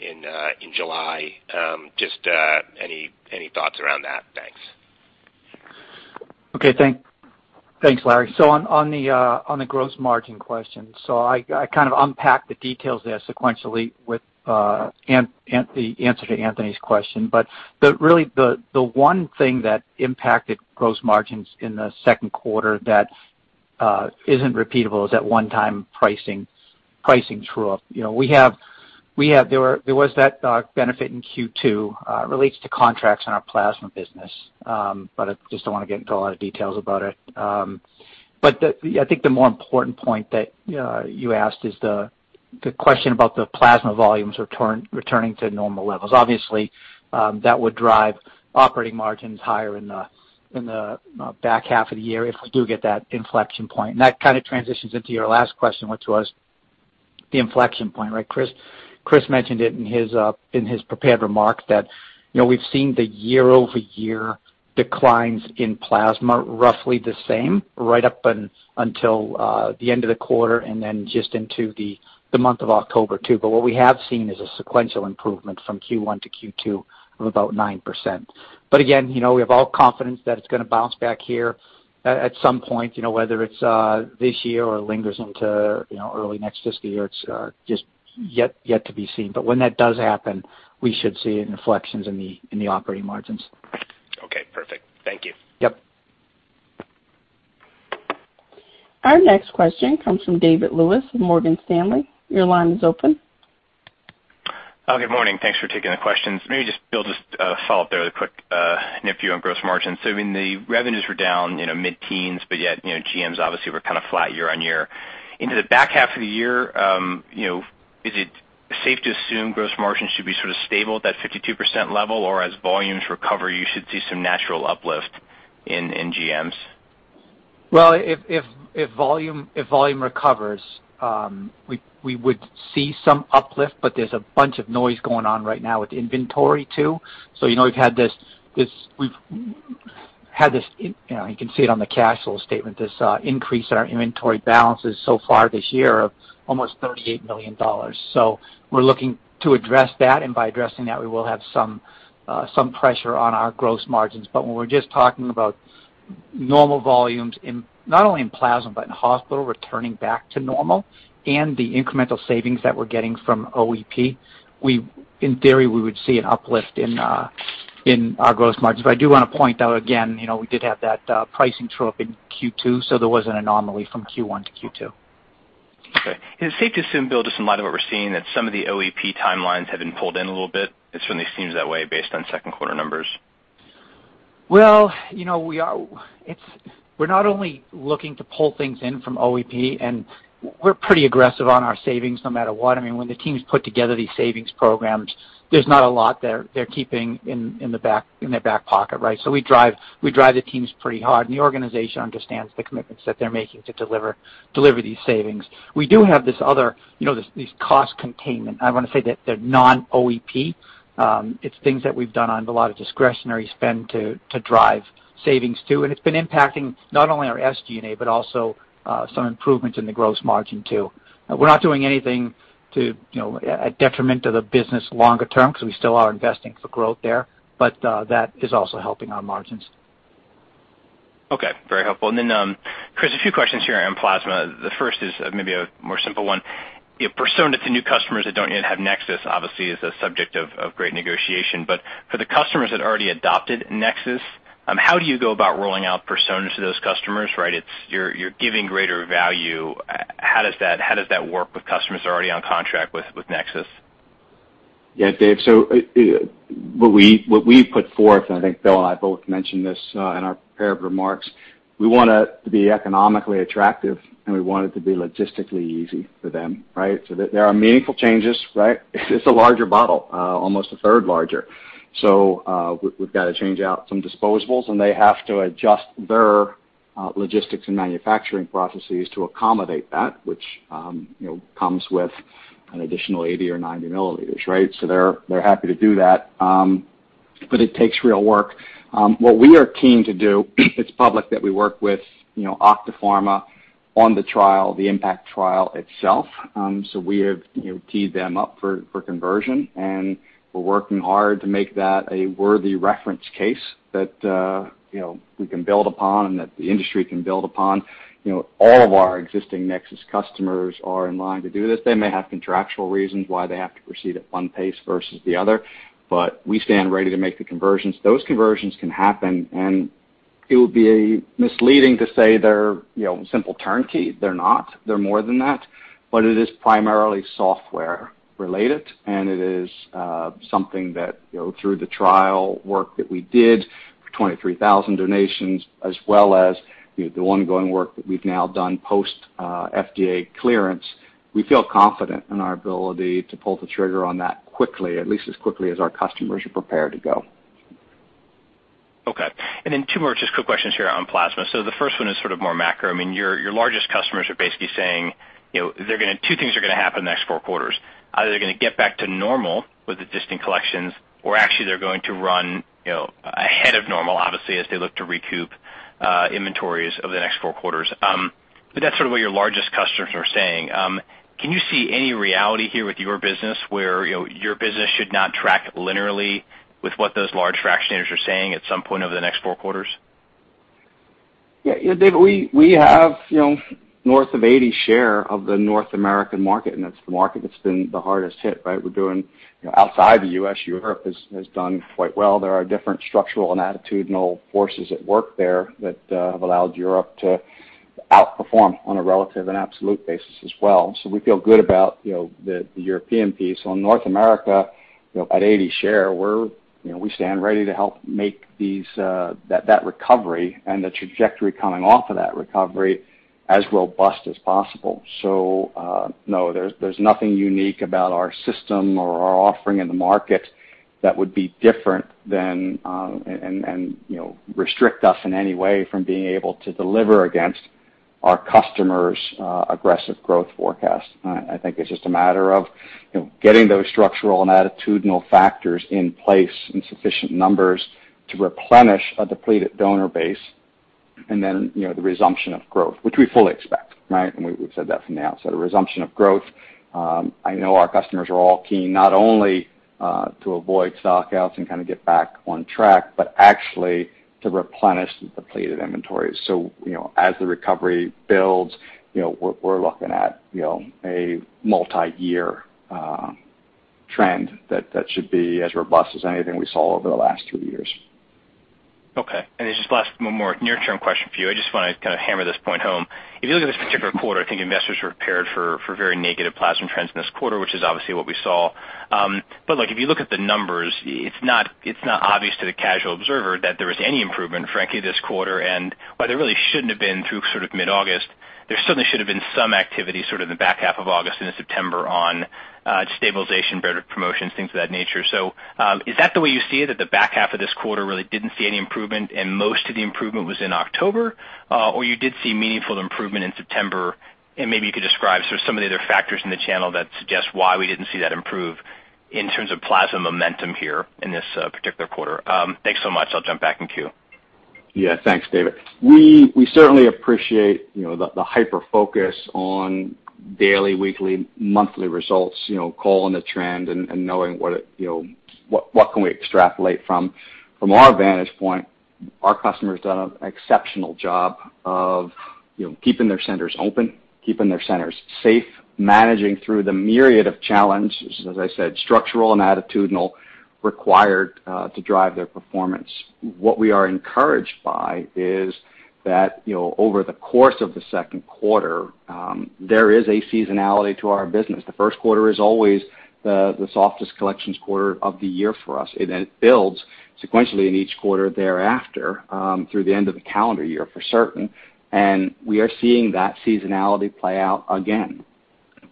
in July. Just any thoughts around that? Thanks. Okay. Thanks, Larry. On the gross margin question, I kind of unpacked the details there sequentially with the answer to Anthony's question. Really, the one thing that impacted gross margins in the second quarter that isn't repeatable is that one-time pricing true-up. There was that benefit in Q2. It relates to contracts in our Plasma business, I just don't want to get into a lot of details about it. I think the more important point that you asked is the question about the plasma volumes returning to normal levels. Obviously, that would drive operating margins higher in the back half of the year if we do get that inflection point. That kind of transitions into your last question, which was the inflection point, right? Chris mentioned it in his prepared remarks that we've seen the year-over-year declines in Plasma roughly the same, right up until the end of the quarter and then just into the month of October, too. What we have seen is a sequential improvement from Q1 to Q2 of about 9%. Again, we have all confidence that it's going to bounce back here at some point, whether it's this year or lingers into early next fiscal year, it's just yet to be seen. When that does happen, we should see inflections in the operating margins. Okay, perfect. Thank you. Yep. Our next question comes from David Lewis of Morgan Stanley. Your line is open. Good morning. Thanks for taking the questions. Maybe just, Bill, just a follow-up there, a quick [nick] you on gross margin. The revenues were down mid-teens, but yet GMs obviously were kind of flat year-on-year. Into the back half of the year, is it safe to assume gross margins should be sort of stable at that 52% level, or as volumes recover, you should see some natural uplift in GMs? Well, if volume recovers, we would see some uplift, but there's a bunch of noise going on right now with inventory, too. We've had this, you can see it on the cash flow statement, this increase in our inventory balances so far this year of almost $38 million. We're looking to address that, and by addressing that, we will have some pressure on our gross margins. When we're just talking about normal volumes, not only in Plasma but in Hospital, returning back to normal and the incremental savings that we're getting from OEP, in theory, we would see an uplift in our gross margins. I do want to point out again we did have that pricing true-up in Q2, so there was an anomaly from Q1 to Q2. Okay. Is it safe to assume, Bill, just in light of what we're seeing, that some of the OEP timelines have been pulled in a little bit? It certainly seems that way based on second quarter numbers. Well, we're not only looking to pull things in from OEP. We're pretty aggressive on our savings no matter what. When the teams put together these savings programs, there's not a lot they're keeping in their back pocket, right? We drive the teams pretty hard. The organization understands the commitments that they're making to deliver these savings. We do have these cost containment. I want to say that they're non-OEP. It's things that we've done on a lot of discretionary spend to drive savings, too. It's been impacting not only our SG&A, but also some improvements in the gross margin, too. We're not doing anything to a detriment to the business longer term because we still are investing for growth there. That is also helping our margins. Okay. Very helpful. Chris, a few questions here on Plasma. The first is maybe a more simple one. Persona to new customers that don't yet have NexSys obviously is a subject of great negotiation, but for the customers that already adopted NexSys, how do you go about rolling out Persona to those customers, right? You're giving greater value. How does that work with customers that are already on contract with NexSys? Yeah, David. What we put forth, and I think Bill and I both mentioned this in our prepared remarks, we want it to be economically attractive, and we want it to be logistically easy for them, right? There are meaningful changes, right? It's a larger bottle, almost a third larger. We've got to change out some disposables, and they have to adjust their logistics and manufacturing processes to accommodate that, which comes with an additional 80 milliliters or 90 milliliters, right? They're happy to do that, but it takes real work. What we are keen to do, it's public that we work with Octapharma on the trial, the IMPACT trial itself. We have teed them up for conversion, and we're working hard to make that a worthy reference case that we can build upon and that the industry can build upon. All of our existing NexSys customers are in line to do this. They may have contractual reasons why they have to proceed at one pace versus the other, but we stand ready to make the conversions. Those conversions can happen and it would be misleading to say they're simple turnkey. They're not. They're more than that. It is primarily software related, and it is something that, through the trial work that we did, for 23,000 donations, as well as the ongoing work that we've now done post FDA clearance, we feel confident in our ability to pull the trigger on that quickly, at least as quickly as our customers are prepared to go. Okay. Two more just quick questions here on Plasma. The first one is sort of more macro. Your largest customers are basically saying two things are going to happen the next four quarters. Either they're going to get back to normal with existing collections or actually they're going to run ahead of normal, obviously, as they look to recoup inventories over the next four quarters. That's sort of what your largest customers are saying. Can you see any reality here with your business where your business should not track linearly with what those large fractionators are saying at some point over the next four quarters? Yeah, David, we have north of 80 share of the North American market. That's the market that's been the hardest hit. We're doing outside the U.S., Europe has done quite well. There are different structural and attitudinal forces at work there that have allowed Europe to outperform on a relative and absolute basis as well. We feel good about the European piece. In North America, at 80 share, we stand ready to help make that recovery and the trajectory coming off of that recovery as robust as possible. No, there's nothing unique about our system or our offering in the market that would be different and restrict us in any way from being able to deliver against our customers' aggressive growth forecast. I think it's just a matter of getting those structural and attitudinal factors in place in sufficient numbers to replenish a depleted donor base, and then the resumption of growth, which we fully expect. We've said that from the outset, a resumption of growth. I know our customers are all keen, not only to avoid stock-outs and kind of get back on track, but actually to replenish depleted inventories. As the recovery builds, we're looking at a multi-year trend that should be as robust as anything we saw over the last two years. Just last one more near-term question for you. I just want to kind of hammer this point home. If you look at this particular quarter, I think investors were prepared for very negative Plasma trends in this quarter, which is obviously what we saw. Look, if you look at the numbers, it's not obvious to the casual observer that there was any improvement, frankly, this quarter, and while there really shouldn't have been through sort of mid-August, there certainly should have been some activity sort of in the back half of August into September on stabilization, better promotions, things of that nature. Is that the way you see it, that the back half of this quarter really didn't see any improvement and most of the improvement was in October? You did see meaningful improvement in September, and maybe you could describe some of the other factors in the channel that suggest why we didn't see that improve in terms of Plasma momentum here in this particular quarter. Thanks so much. I'll jump back in queue. Yeah. Thanks, David. We certainly appreciate the hyper-focus on daily, weekly, monthly results, calling the trend and knowing what can we extrapolate from. From our vantage point, our customers have done an exceptional job of keeping their centers open, keeping their centers safe, managing through the myriad of challenges, as I said, structural and attitudinal, required to drive their performance. What we are encouraged by is that over the course of the second quarter, there is a seasonality to our business. The first quarter is always the softest collections quarter of the year for us. It builds sequentially in each quarter thereafter, through the end of the calendar year, for certain. We are seeing that seasonality play out again.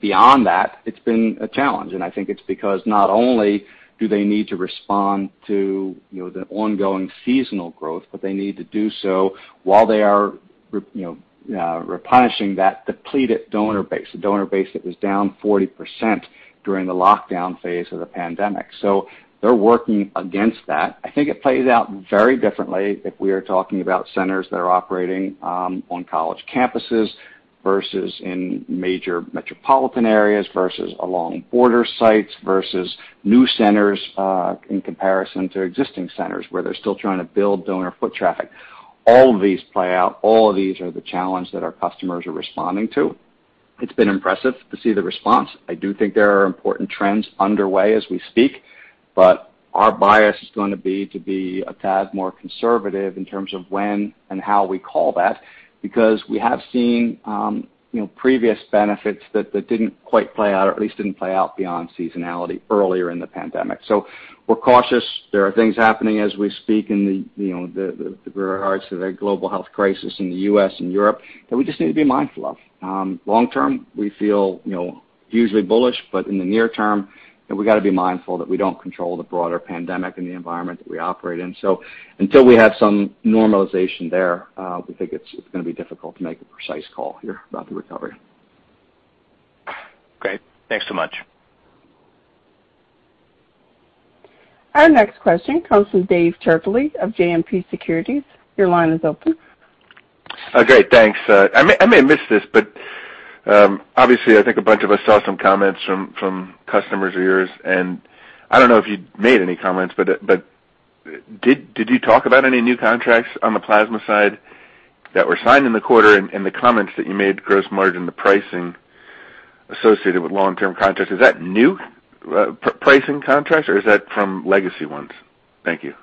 Beyond that, it's been a challenge, and I think it's because not only do they need to respond to the ongoing seasonal growth, but they need to do so while they are replenishing that depleted donor base, the donor base that was down 40% during the lockdown phase of the pandemic. They're working against that. I think it plays out very differently if we are talking about centers that are operating on college campuses versus in major metropolitan areas versus along border sites versus new centers in comparison to existing centers where they're still trying to build donor foot traffic. All of these play out. All of these are the challenge that our customers are responding to. It's been impressive to see the response. I do think there are important trends underway as we speak. Our bias is going to be to be a tad more conservative in terms of when and how we call that, because we have seen previous benefits that didn't quite play out, or at least didn't play out beyond seasonality earlier in the pandemic. We're cautious. There are things happening as we speak in regards to the global health crisis in the U.S. and Europe that we just need to be mindful of. Long term, we feel hugely bullish, but in the near term, we've got to be mindful that we don't control the broader pandemic and the environment that we operate in. Until we have some normalization there, we think it's going to be difficult to make a precise call here about the recovery. Great. Thanks so much. Our next question comes from Dave Turkaly of JMP Securities. Your line is open. Great. Thanks. I may have missed this, but obviously I think a bunch of us saw some comments from customers of yours, and I don't know if you made any comments, but did you talk about any new contracts on the Plasma side that were signed in the quarter in the comments that you made, gross margin, the pricing associated with long-term contracts? Is that new pricing contracts or is that from legacy ones? Thank you.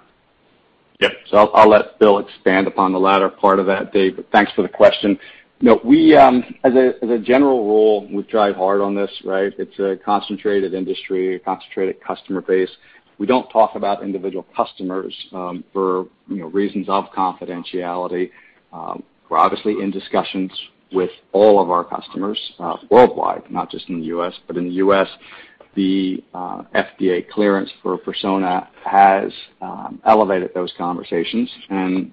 Yes. I'll let Bill expand upon the latter part of that, Dave, but thanks for the question. As a general rule, we drive hard on this, right? It's a concentrated industry, a concentrated customer base. We don't talk about individual customers for reasons of confidentiality. We're obviously in discussions with all of our customers worldwide, not just in the U.S., but in the U.S., the FDA clearance for Persona has elevated those conversations, and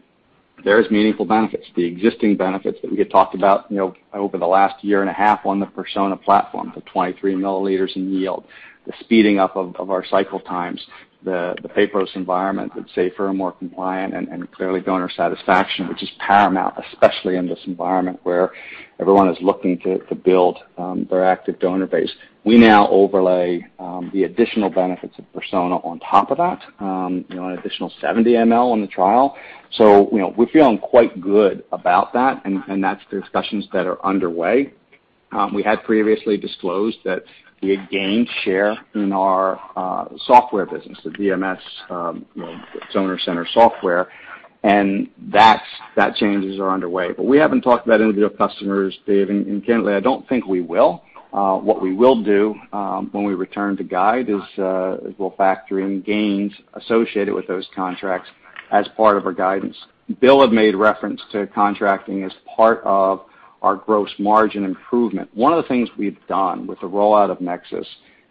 there's meaningful benefits. The existing benefits that we had talked about over the last year and a half on the Persona platform, the 23 milliliters in yield, the speeding up of our cycle times, the paperless environment that's safer and more compliant, and clearly donor satisfaction, which is paramount, especially in this environment where everyone is looking to build their active donor base. We now overlay the additional benefits of Persona on top of that, an additional 70 mL on the trial. We're feeling quite good about that, and that's the discussions that are underway. We had previously disclosed that we had gained share in our software business, the DMS donor center software, and that changes are underway. We haven't talked about individual customers, Dave, and candidly, I don't think we will. What we will do when we return to guide is we'll factor in gains associated with those contracts as part of our guidance. Bill had made reference to contracting as part of our gross margin improvement. One of the things we've done with the rollout of NexSys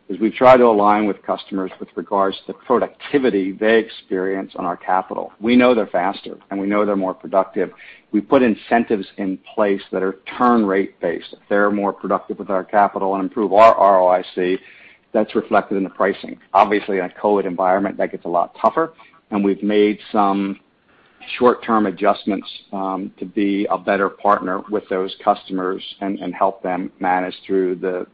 is we've tried to align with customers with regards to productivity they experience on our capital. We know they're faster, and we know they're more productive. We put incentives in place that are turn rate based. If they're more productive with our capital and improve our ROIC, that's reflected in the pricing. Obviously, in a COVID environment, that gets a lot tougher, and we've made some short-term adjustments to be a better partner with those customers and help them manage through the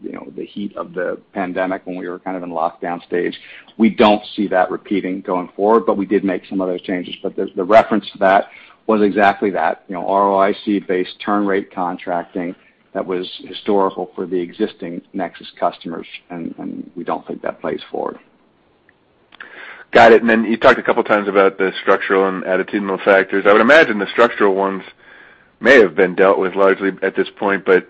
heat of the pandemic when we were kind of in lockdown stage. We don't see that repeating going forward, but we did make some of those changes. The reference to that was exactly that, ROIC-based turn rate contracting that was historical for the existing NexSys customers, and we don't think that plays forward. Got it. You talked a couple of times about the structural and attitudinal factors. I would imagine the structural ones may have been dealt with largely at this point, but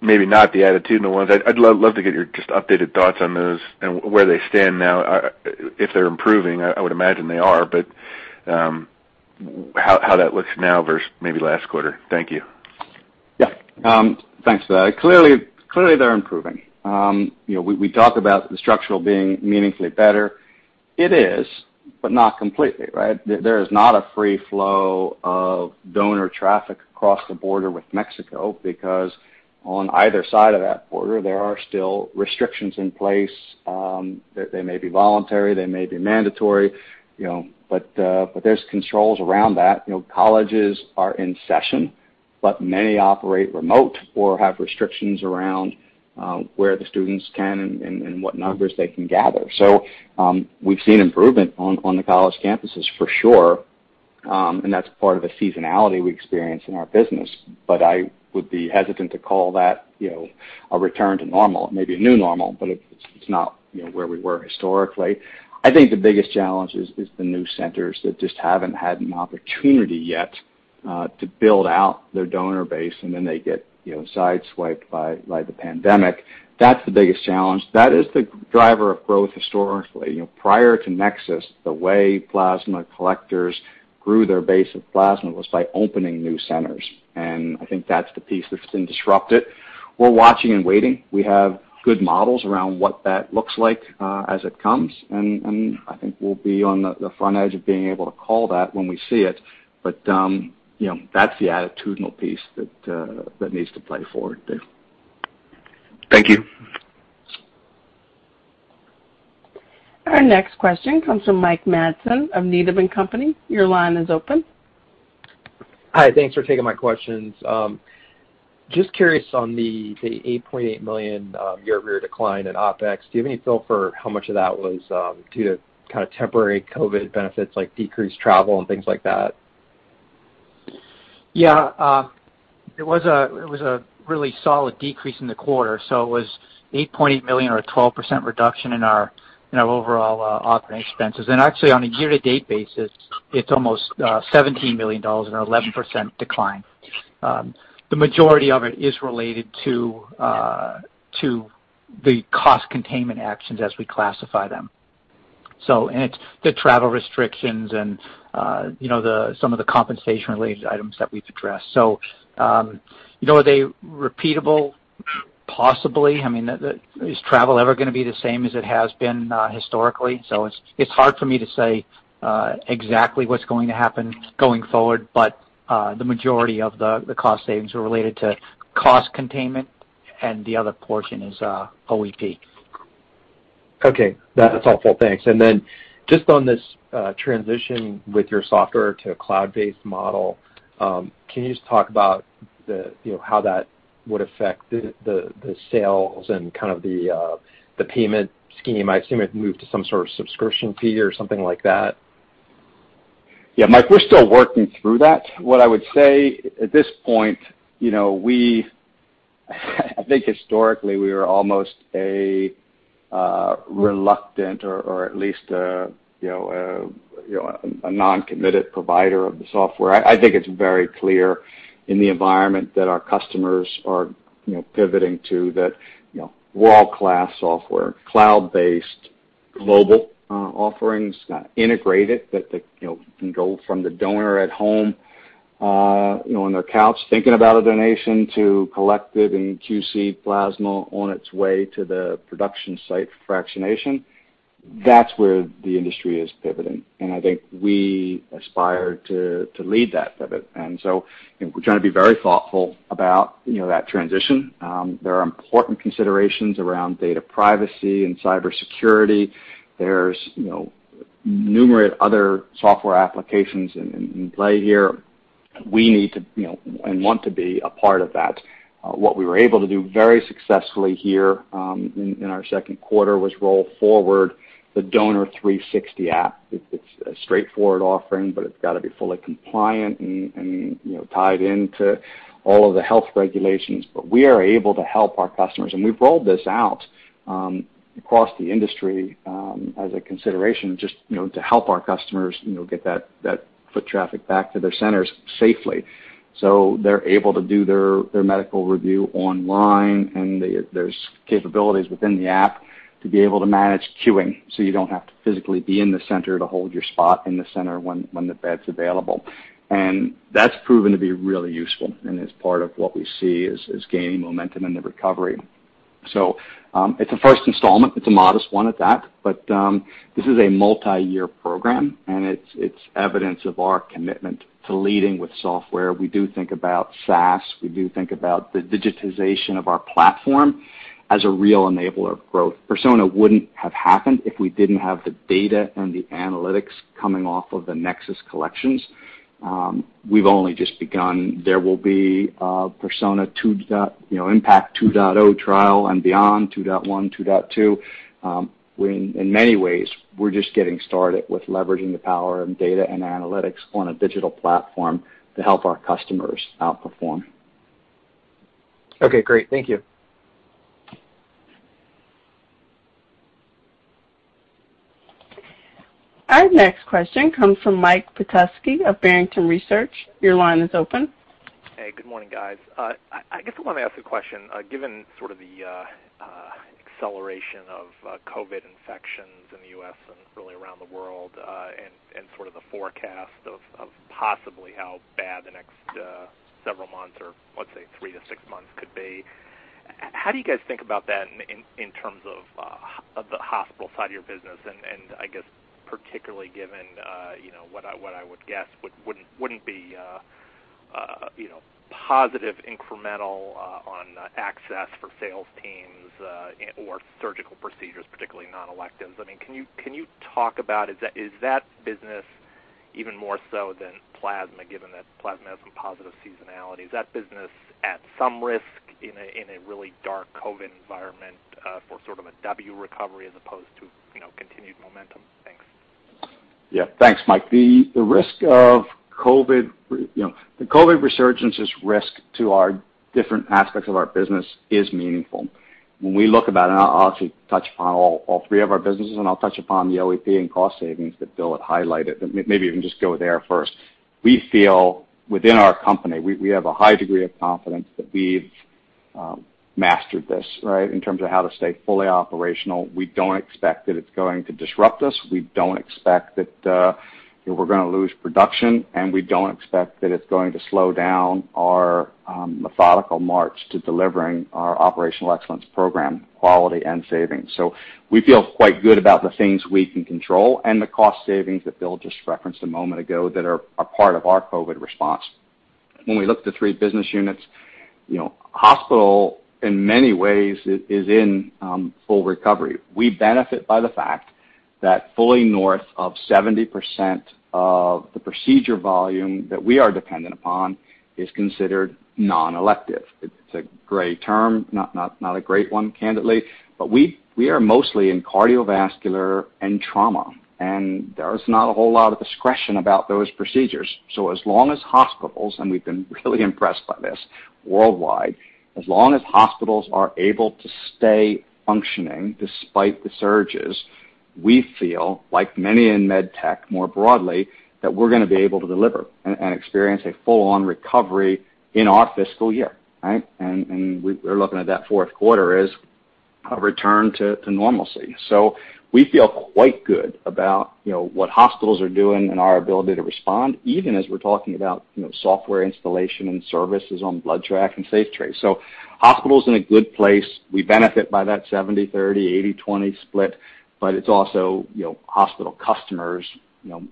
maybe not the attitudinal ones. I'd love to get your just updated thoughts on those and where they stand now, if they're improving. I would imagine they are, but how that looks now versus maybe last quarter. Thank you. Yeah. Thanks for that. Clearly, they're improving. We talk about the structural being meaningfully better. It is, but not completely, right? There is not a free flow of donor traffic across the border with Mexico because on either side of that border, there are still restrictions in place. They may be voluntary, they may be mandatory, but there's controls around that. Colleges are in session, but many operate remote or have restrictions around where the students can and what numbers they can gather. We've seen improvement on the college campuses for sure. That's part of a seasonality we experience in our business. I would be hesitant to call that a return to normal. It may be a new normal, but it's not where we were historically. I think the biggest challenge is the new centers that just haven't had an opportunity yet to build out their donor base, and then they get sideswiped by the pandemic. That's the biggest challenge. That is the driver of growth historically. Prior to NexSys PCS, the way plasma collectors grew their base of plasma was by opening new centers. I think that's the piece that's been disrupted. We're watching and waiting. We have good models around what that looks like as it comes, and I think we'll be on the front edge of being able to call that when we see it. That's the attitudinal piece that needs to play forward, Dave. Thank you. Our next question comes from Mike Matson of Needham & Company. Your line is open. Hi. Thanks for taking my questions. Just curious on the $8.8 million year-over-year decline in OpEx. Do you have any feel for how much of that was due to kind of temporary COVID benefits like decreased travel and things like that? Yeah. It was a really solid decrease in the quarter. It was $8.8 million or a 12% reduction in our overall operating expenses. Actually, on a year-to-date basis, it's almost $17 million or 11% decline. The majority of it is related to the cost containment actions as we classify them. It's the travel restrictions and some of the compensation-related items that we've addressed. Are they repeatable? Possibly. I mean, is travel ever going to be the same as it has been historically? It's hard for me to say exactly what's going to happen going forward. The majority of the cost savings were related to cost containment, and the other portion is OEP. Okay. That's helpful. Thanks. Just on this transition with your software to a cloud-based model, can you just talk about how that would affect the sales and kind of the payment scheme? I assume it moved to some sort of subscription fee or something like that. Yeah, Mike, we're still working through that. What I would say at this point, I think historically we were almost a reluctant or at least a non-committed provider of the software. I think it's very clear in the environment that our customers are pivoting to, that world-class software, cloud-based global offerings, integrated, that can go from the donor at home on their couch, thinking about a donation to collected and QC plasma on its way to the production site for fractionation. That's where the industry is pivoting, and I think we aspire to lead that pivot. So we're trying to be very thoughtful about that transition. There are important considerations around data privacy and cybersecurity. There's numerous other software applications in play here. We need to and want to be a part of that. What we were able to do very successfully here in our second quarter was roll forward the Donor360 app. It's a straightforward offering, but it's got to be fully compliant and tied into all of the health regulations. We are able to help our customers, and we've rolled this out across the industry as a consideration just to help our customers get that foot traffic back to their centers safely so they're able to do their medical review online. There's capabilities within the app to be able to manage queuing, so you don't have to physically be in the center to hold your spot in the center when the bed's available. That's proven to be really useful and is part of what we see is gaining momentum in the recovery. It's a first installment. It's a modest one at that. This is a multi-year program, and it's evidence of our commitment to leading with software. We do think about SaaS. We do think about the digitization of our platform as a real enabler of growth. Persona wouldn't have happened if we didn't have the data and the analytics coming off of the NexSys collections. We've only just begun. There will be a IMPACT 2.0 trial and beyond, 2.1, 2.2. In many ways, we're just getting started with leveraging the power of data and analytics on a digital platform to help our customers outperform. Okay, great. Thank you. Our next question comes from Mike Petusky of Barrington Research. Your line is open. Hey, good morning, guys. I guess I want to ask a question. Given sort of the acceleration of COVID infections in the U.S. and really around the world and sort of the forecast of possibly how bad the next several months or, let's say, three to six months could be, how do you guys think about that in terms of the Hospital side of your business? I guess particularly given what I would guess wouldn't be positive incremental on access for sales teams or surgical procedures, particularly non-electives. Can you talk about, is that business even more so than Plasma, given that Plasma has some positive seasonality? Is that business at some risk in a really dark COVID environment for sort of a W recovery as opposed to continued momentum? Thanks. Yeah. Thanks, Mike. The COVID resurgence's risk to our different aspects of our business is meaningful. When we look about it, and I'll actually touch upon all three of our businesses, and I'll touch upon the OEP and cost savings that Bill had highlighted, but maybe even just go there first. We feel within our company, we have a high degree of confidence that we've mastered this, right, in terms of how to stay fully operational. We don't expect that it's going to disrupt us. We don't expect that we're going to lose production, and we don't expect that it's going to slow down our methodical march to delivering our Operational Excellence Program, quality, and savings. We feel quite good about the things we can control and the cost savings that Bill just referenced a moment ago that are a part of our COVID response. When we look at the three business units, Hospital, in many ways, is in full recovery. We benefit by the fact that fully north of 70% of the procedure volume that we are dependent upon is considered non-elective. It's a gray term, not a great one, candidly, but we are mostly in cardiovascular and trauma, and there's not a whole lot of discretion about those procedures. As long as Hospitals, and we've been really impressed by this worldwide, as long as Hospitals are able to stay functioning despite the surges, we feel, like many in med tech more broadly, that we're going to be able to deliver and experience a full-on recovery in our fiscal year, right? We're looking at that fourth quarter as a return to normalcy. We feel quite good about what Hospitals are doing and our ability to respond, even as we're talking about software installation and services on BloodTrack and SafeTrace. Hospital's in a good place. We benefit by that 70/30, 80/20 split, but it's also Hospital customers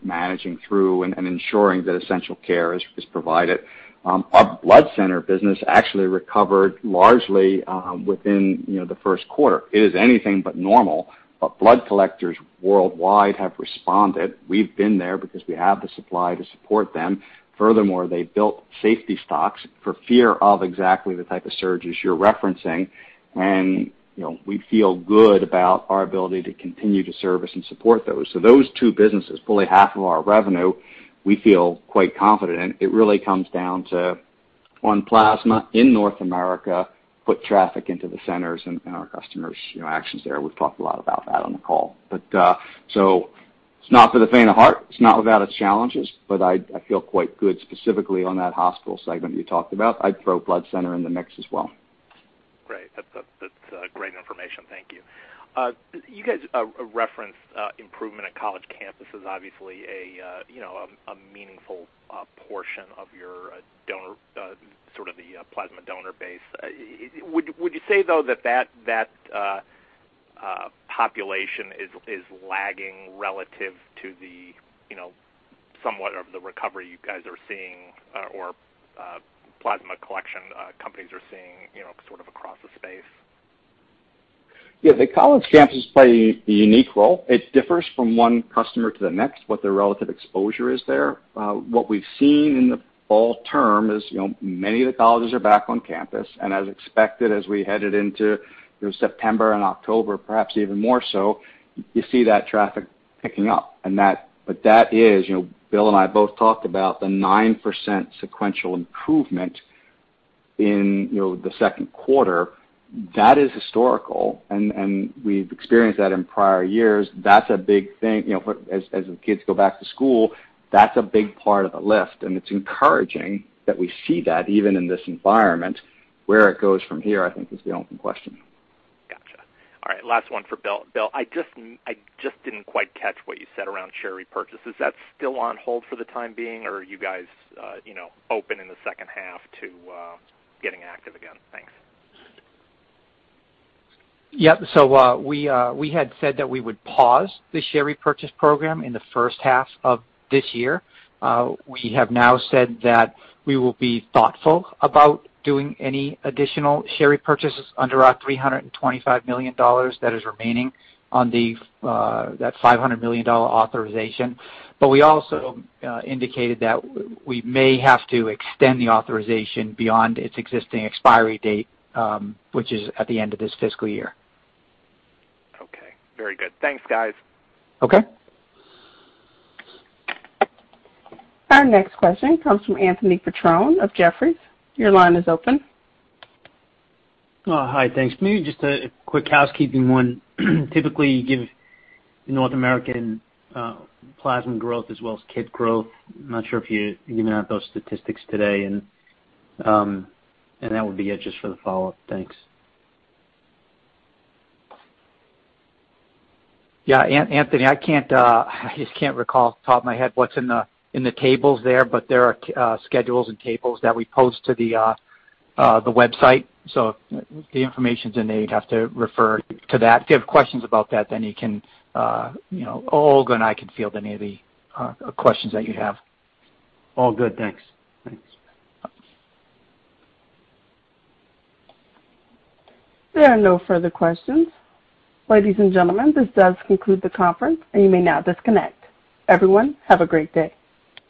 managing through and ensuring that essential care is provided. Our Blood Center business actually recovered largely within the first quarter. It is anything but normal, but blood collectors worldwide have responded. We've been there because we have the supply to support them. Furthermore, they built safety stocks for fear of exactly the type of surges you're referencing. We feel good about our ability to continue to service and support those. Those two businesses, fully half of our revenue, we feel quite confident in. It really comes down to Plasma in North America, put traffic into the centers and our customers' actions there. We've talked a lot about that on the call. It's not for the faint of heart. It's not without its challenges, but I feel quite good specifically on that Hospital segment you talked about. I'd throw Blood Center in the mix as well. Great. That's great information. Thank you. You guys referenced improvement at college campuses, obviously a meaningful portion of your donor, sort of the plasma donor base. Would you say, though, that population is lagging relative to the somewhat of the recovery you guys are seeing or plasma collection companies are seeing across the space? Yeah. The college campuses play a unique role. It differs from one customer to the next, what their relative exposure is there. What we've seen in the fall term is, many of the colleges are back on campus. As expected, as we headed into September and October, perhaps even more so, you see that traffic picking up. That is, Bill and I both talked about the 9% sequential improvement in the second quarter. That is historical. We've experienced that in prior years. That's a big thing. As the kids go back to school, that's a big part of the lift, and it's encouraging that we see that even in this environment. Where it goes from here, I think, is the open question. Got you. All right. Last one for Bill. Bill, I just didn't quite catch what you said around share repurchases. Is that still on hold for the time being, or are you guys open in the second half to getting active again? Thanks. Yep. We had said that we would pause the share repurchase program in the first half of this year. We have now said that we will be thoughtful about doing any additional share repurchases under our $325 million that is remaining on that $500 million authorization. We also indicated that we may have to extend the authorization beyond its existing expiry date, which is at the end of this fiscal year. Okay. Very good. Thanks, guys. Okay. Our next question comes from Anthony Petrone of Jefferies. Your line is open. Hi, thanks. Maybe just a quick housekeeping one. Typically, you give North American Plasma growth as well as kit growth. I'm not sure if you're giving out those statistics today, that would be it just for the follow-up. Thanks. Yeah. Anthony, I just can't recall off the top of my head what's in the tables there, but there are schedules and tables that we post to the website. The information's in there. You'd have to refer to that. If you have questions about that, Olga and I can field any of the questions that you have. All good. Thanks. Thanks. There are no further questions. Ladies and gentlemen, this does conclude the conference, and you may now disconnect. Everyone, have a great day.